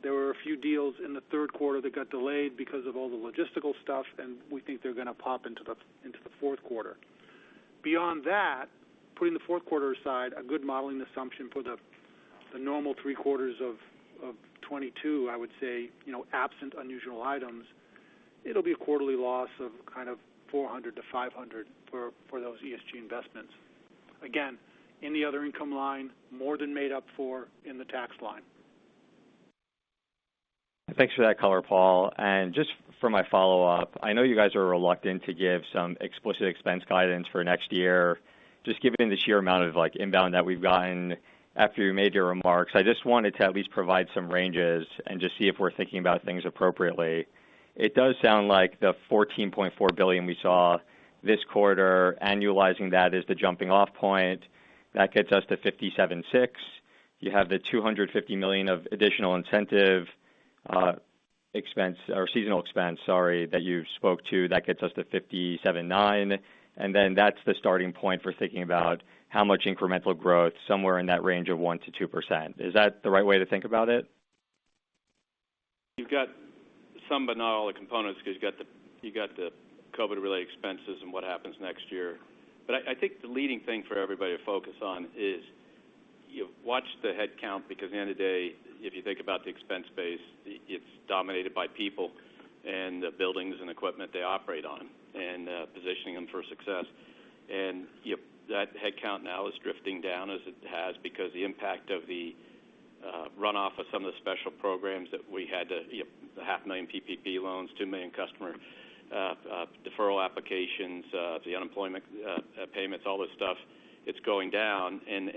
There were a few deals in the third quarter that got delayed because of all the logistical stuff, and we think they're going to pop into the fourth quarter. Beyond that, putting the fourth quarter aside, a good modeling assumption for the normal three quarters of 2022, I would say, absent unusual items, it'll be a quarterly loss of kind of $400-$500 for those ESG investments. Again, in the other income line, more than made up for in the tax line. Thanks for that color, Paul. Just for my follow-up, I know you guys are reluctant to give some explicit expense guidance for next year. Just given the sheer amount of inbound that we've gotten after you made your remarks, I just wanted to at least provide some ranges and just see if we're thinking about things appropriately. It does sound like the $14.4 billion we saw this quarter, annualizing that is the jumping-off point. That gets us to $576. You have the $250 million of additional incentive expense or seasonal expense, sorry, that you spoke to. That gets us to $579. That's the starting point for thinking about how much incremental growth, somewhere in that range of 1%-2%. Is that the right way to think about it? You've got some, but not all the components because you got the COVID-related expenses and what happens next year. I think the leading thing for everybody to focus on is watch the headcount because at the end of the day, if you think about the expense base, it's dominated by people and the buildings and equipment they operate on and positioning them for success. That headcount now is drifting down as it has because the impact of the runoff of some of the special programs that we had, the half a million PPP loans, 2 million customer deferral applications, the unemployment payments, all this stuff, it's going down, and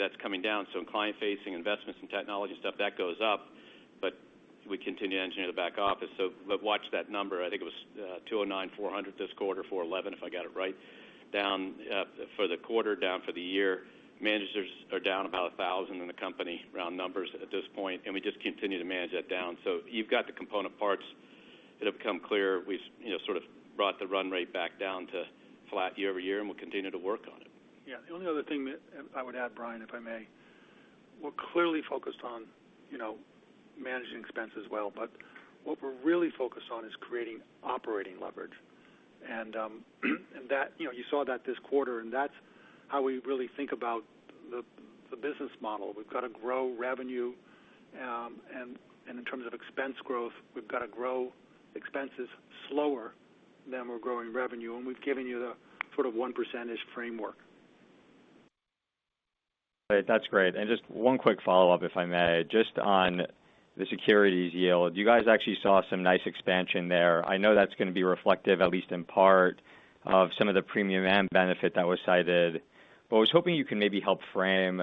that's coming down. In client-facing investments and technology stuff, that goes up, but we continue to engineer the back office. Watch that number. I think it was 209,400 this quarter, 411 if I got it right. For the quarter, down for the year. Managers are down about 1,000 in the company round numbers at this point, and we just continue to manage that down. You've got the component parts that have become clear. We sort of brought the run rate back down to flat year-over-year, and we'll continue to work on it. The only other thing that I would add, Brian, if I may. We're clearly focused on managing expense as well, but what we're really focused on is creating operating leverage. You saw that this quarter, and that's how we really think about the business model. We've got to grow revenue. In terms of expense growth, we've got to grow expenses slower than we're growing revenue, and we've given you the sort of 1 percentage framework. That's great. Just one quick follow-up, if I may. Just on the securities yield. You guys actually saw some nice expansion there. I know that's going to be reflective, at least in part, of some of the premium amortization benefit that was cited. I was hoping you can maybe help frame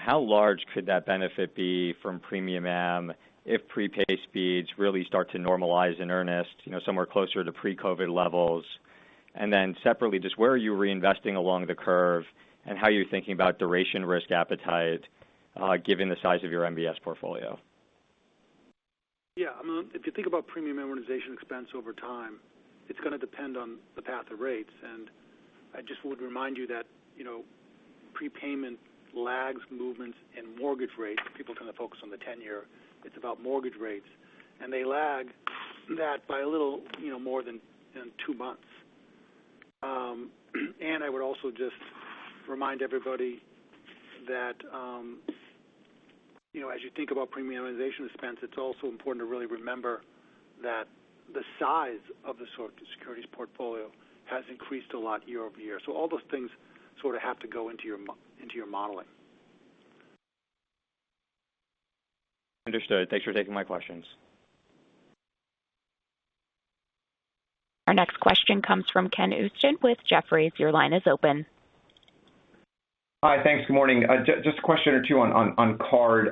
how large could that benefit be from premium amortization if prepaid speeds really start to normalize in earnest somewhere closer to pre-COVID levels. Separately, just where are you reinvesting along the curve? How are you thinking about duration risk appetite given the size of your MBS portfolio? Yeah. If you think about premium amortization expense over time, it's going to depend on the path of rates. I just would remind you that prepayment lags movements in mortgage rates. People kind of focus on the 10-year. It's about mortgage rates. They lag that by a little more than two months. I would also just remind everybody that as you think about premium amortization expense, it's also important to really remember that the size of the securities portfolio has increased a lot year-over-year. All those things sort of have to go into your modeling. Understood. Thanks for taking my questions. Our next question comes from Ken Usdin with Jefferies. Your line is open. Hi. Thanks. Good morning. Just a question or two on card.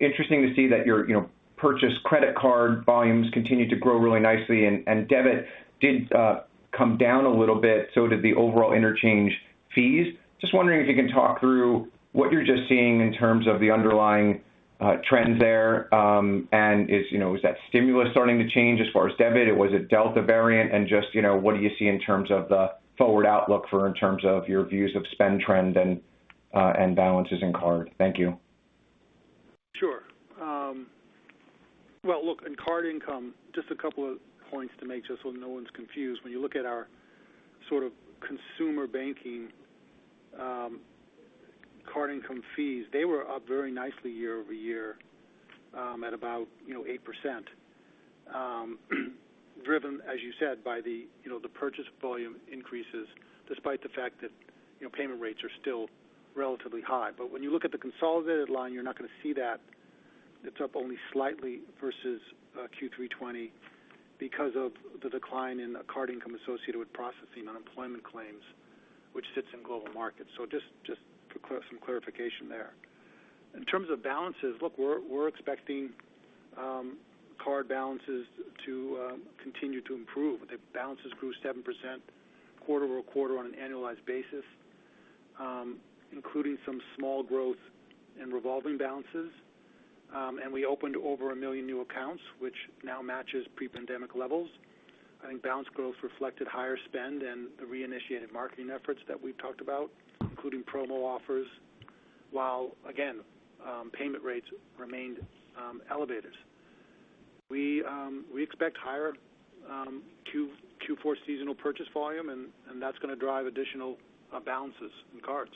Interesting to see that your purchase credit card volumes continued to grow really nicely, and debit did come down a little bit. Did the overall interchange fees. Just wondering if you can talk through what you're just seeing in terms of the underlying trends there. Is that stimulus starting to change as far as debit? Was it Delta variant? Just what do you see in terms of the forward outlook for in terms of your views of spend trend and balances in card? Thank you. Sure. Well, look, in card income, just a couple of points to make just so no one's confused. When you look at our sort of consumer banking card income fees, they were up very nicely year-over-year at about 8%, driven, as you said, by the purchase volume increases despite the fact that payment rates are still relatively high. When you look at the consolidated line, you're not going to see that. It's up only slightly versus Q3 2020 because of the decline in card income associated with processing unemployment claims which sits in Global Markets. Just some clarification there. In terms of balances, look, we're expecting card balances to continue to improve. The balances grew 7% quarter-over-quarter on an annualized basis including some small growth in revolving balances. We opened over 1 million new accounts which now matches pre-pandemic levels. I think balance growth reflected higher spend and the reinitiated marketing efforts that we've talked about including promo offers, while again, payment rates remained elevated. We expect higher Q4 seasonal purchase volume, and that's going to drive additional balances in cards.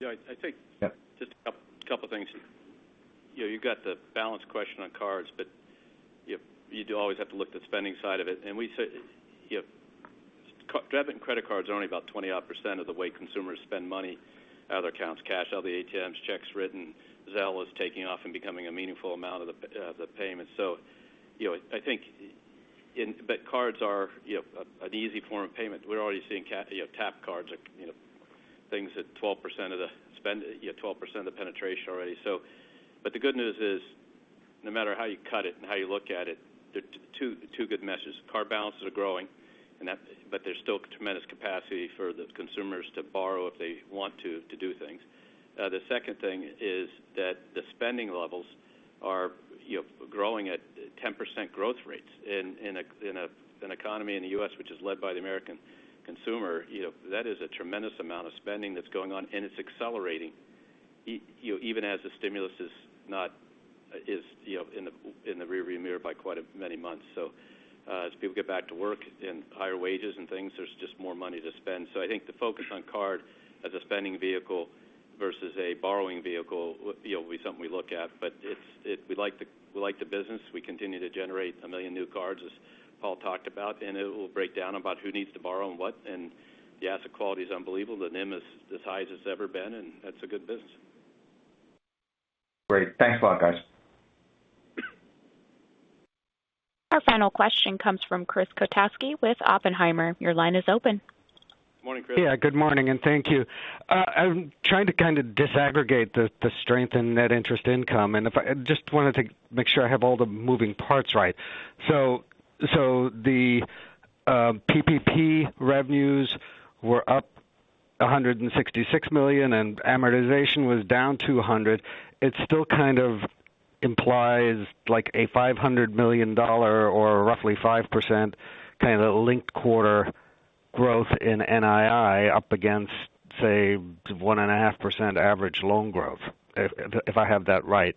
Yeah. I think just a couple of things. You've got the balance question on cards, but you do always have to look at the spending side of it. We say debit and credit cards are only about 20-odd% of the way consumers spend money out of their accounts. Cash out of the ATMs, checks written, Zelle is taking off and becoming a meaningful amount of the payment. Cards are an easy form of payment. We're already seeing tap cards are things that 12% of the penetration already. The good news is, no matter how you cut it and how you look at it, there are two good messages. Card balances are growing, but there's still tremendous capacity for the consumers to borrow if they want to do things. The second thing is that the spending levels are growing at 10% growth rates in an economy in the U.S. which is led by the American consumer. That is a tremendous amount of spending that's going on, and it's accelerating even as the stimulus is in the rear-view mirror by quite many months. As people get back to work and higher wages and things, there's just more money to spend. I think the focus on card as a spending vehicle versus a borrowing vehicle will be something we look at. We like the business. We continue to generate 1 million new cards, as Paul talked about, it will break down about who needs to borrow and what. The asset quality is unbelievable. The NIM is as high as it's ever been, that's a good business. Great. Thanks a lot, guys. Our final question comes from Chris Kotowski with Oppenheimer. Your line is open. Morning, Chris. Good morning. Thank you. I'm trying to kind of disaggregate the strength in net interest income. I just wanted to make sure I have all the moving parts right. The PPP revenues were up $166 million. Amortization was down $200 million. It still kind of implies like a $500 million or roughly 5% kind of linked quarter growth in NII up against, say, 1.5% average loan growth, if I have that right.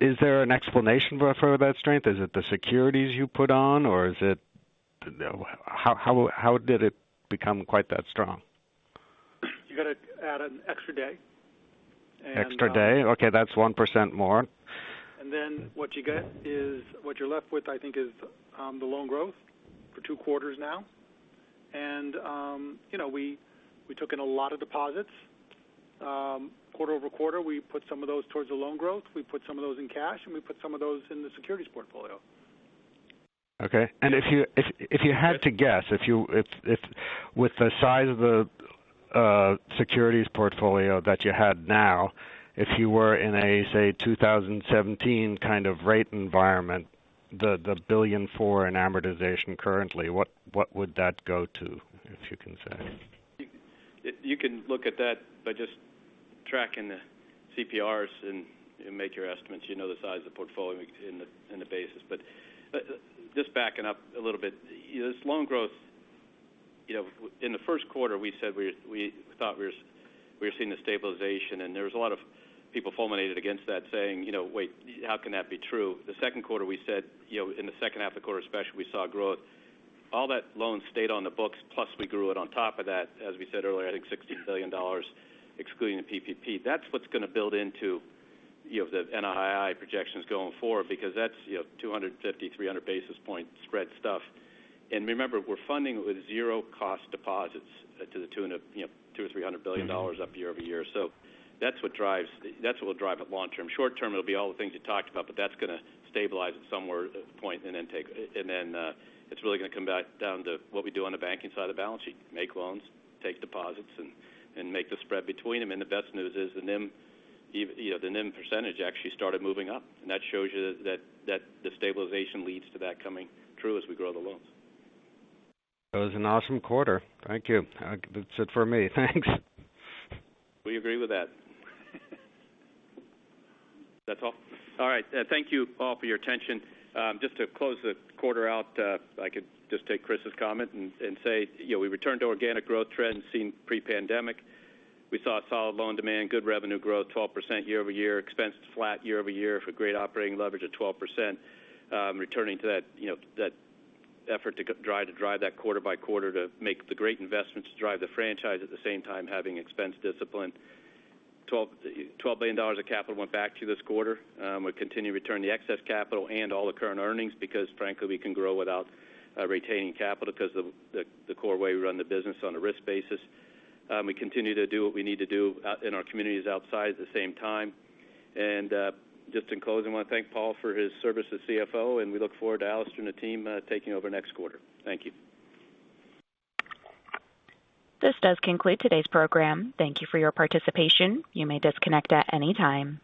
Is there an explanation for that strength? Is it the securities you put on, or how did it become quite that strong? You got to add an extra day. Extra day? Okay. That's 1% more. What you're left with, I think, is the loan growth for two quarters now. We took in a lot of deposits quarter over quarter. We put some of those towards the loan growth. We put some of those in cash, and we put some of those in the securities portfolio. Okay. If you had to guess, with the size of the securities portfolio that you have now, if you were in a, say, 2017 kind of rate environment, the $1.4 billion in amortization currently, what would that go to, if you can say? You can look at that by just tracking the CPRs and make your estimates. You know the size of the portfolio in the basis. Just backing up a little bit, this loan growth, in the first quarter, we said we thought we were seeing the stabilization, and there was a lot of people fulminated against that saying, "Wait, how can that be true?" Second quarter, we said in the second half of the quarter especially, we saw growth. All that loans stayed on the books, plus we grew it on top of that. As we said earlier, I think $60 billion excluding the PPP. That's what's going to build into the NII projections going forward because that's 250, 300 basis point spread stuff. Remember, we're funding with zero cost deposits to the tune of $200 billion or $300 billion up year-over-year. That's what will drive it long term. Short term, it'll be all the things you talked about, but that's going to stabilize at some point and then it's really going to come back down to what we do on the banking side of the balance sheet, make loans, take deposits, and make the spread between them. The best news is the NIM percentage actually started moving up. That shows you that the stabilization leads to that coming true as we grow the loans. That was an awesome quarter. Thank you. That's it for me. Thanks. We agree with that. That's all? All right. Thank you all for your attention. Just to close the quarter out, I could just take Chris's comment and say we returned to organic growth trends seen pre-pandemic. We saw solid loan demand, good revenue growth, 12% year-over-year, expense flat year-over-year for great operating leverage of 12%. Returning to that effort to try to drive that quarter-by-quarter to make the great investments to drive the franchise at the same time having expense discipline. $12 billion of capital went back to you this quarter. We continue to return the excess capital and all the current earnings because frankly, we can grow without retaining capital because of the core way we run the business on a risk basis. We continue to do what we need to do in our communities outside at the same time. Just in closing, I want to thank Paul for his service as CFO. We look forward to Alastair and the team taking over next quarter. Thank you. This does conclude today's program. Thank you for your participation. You may disconnect at any time.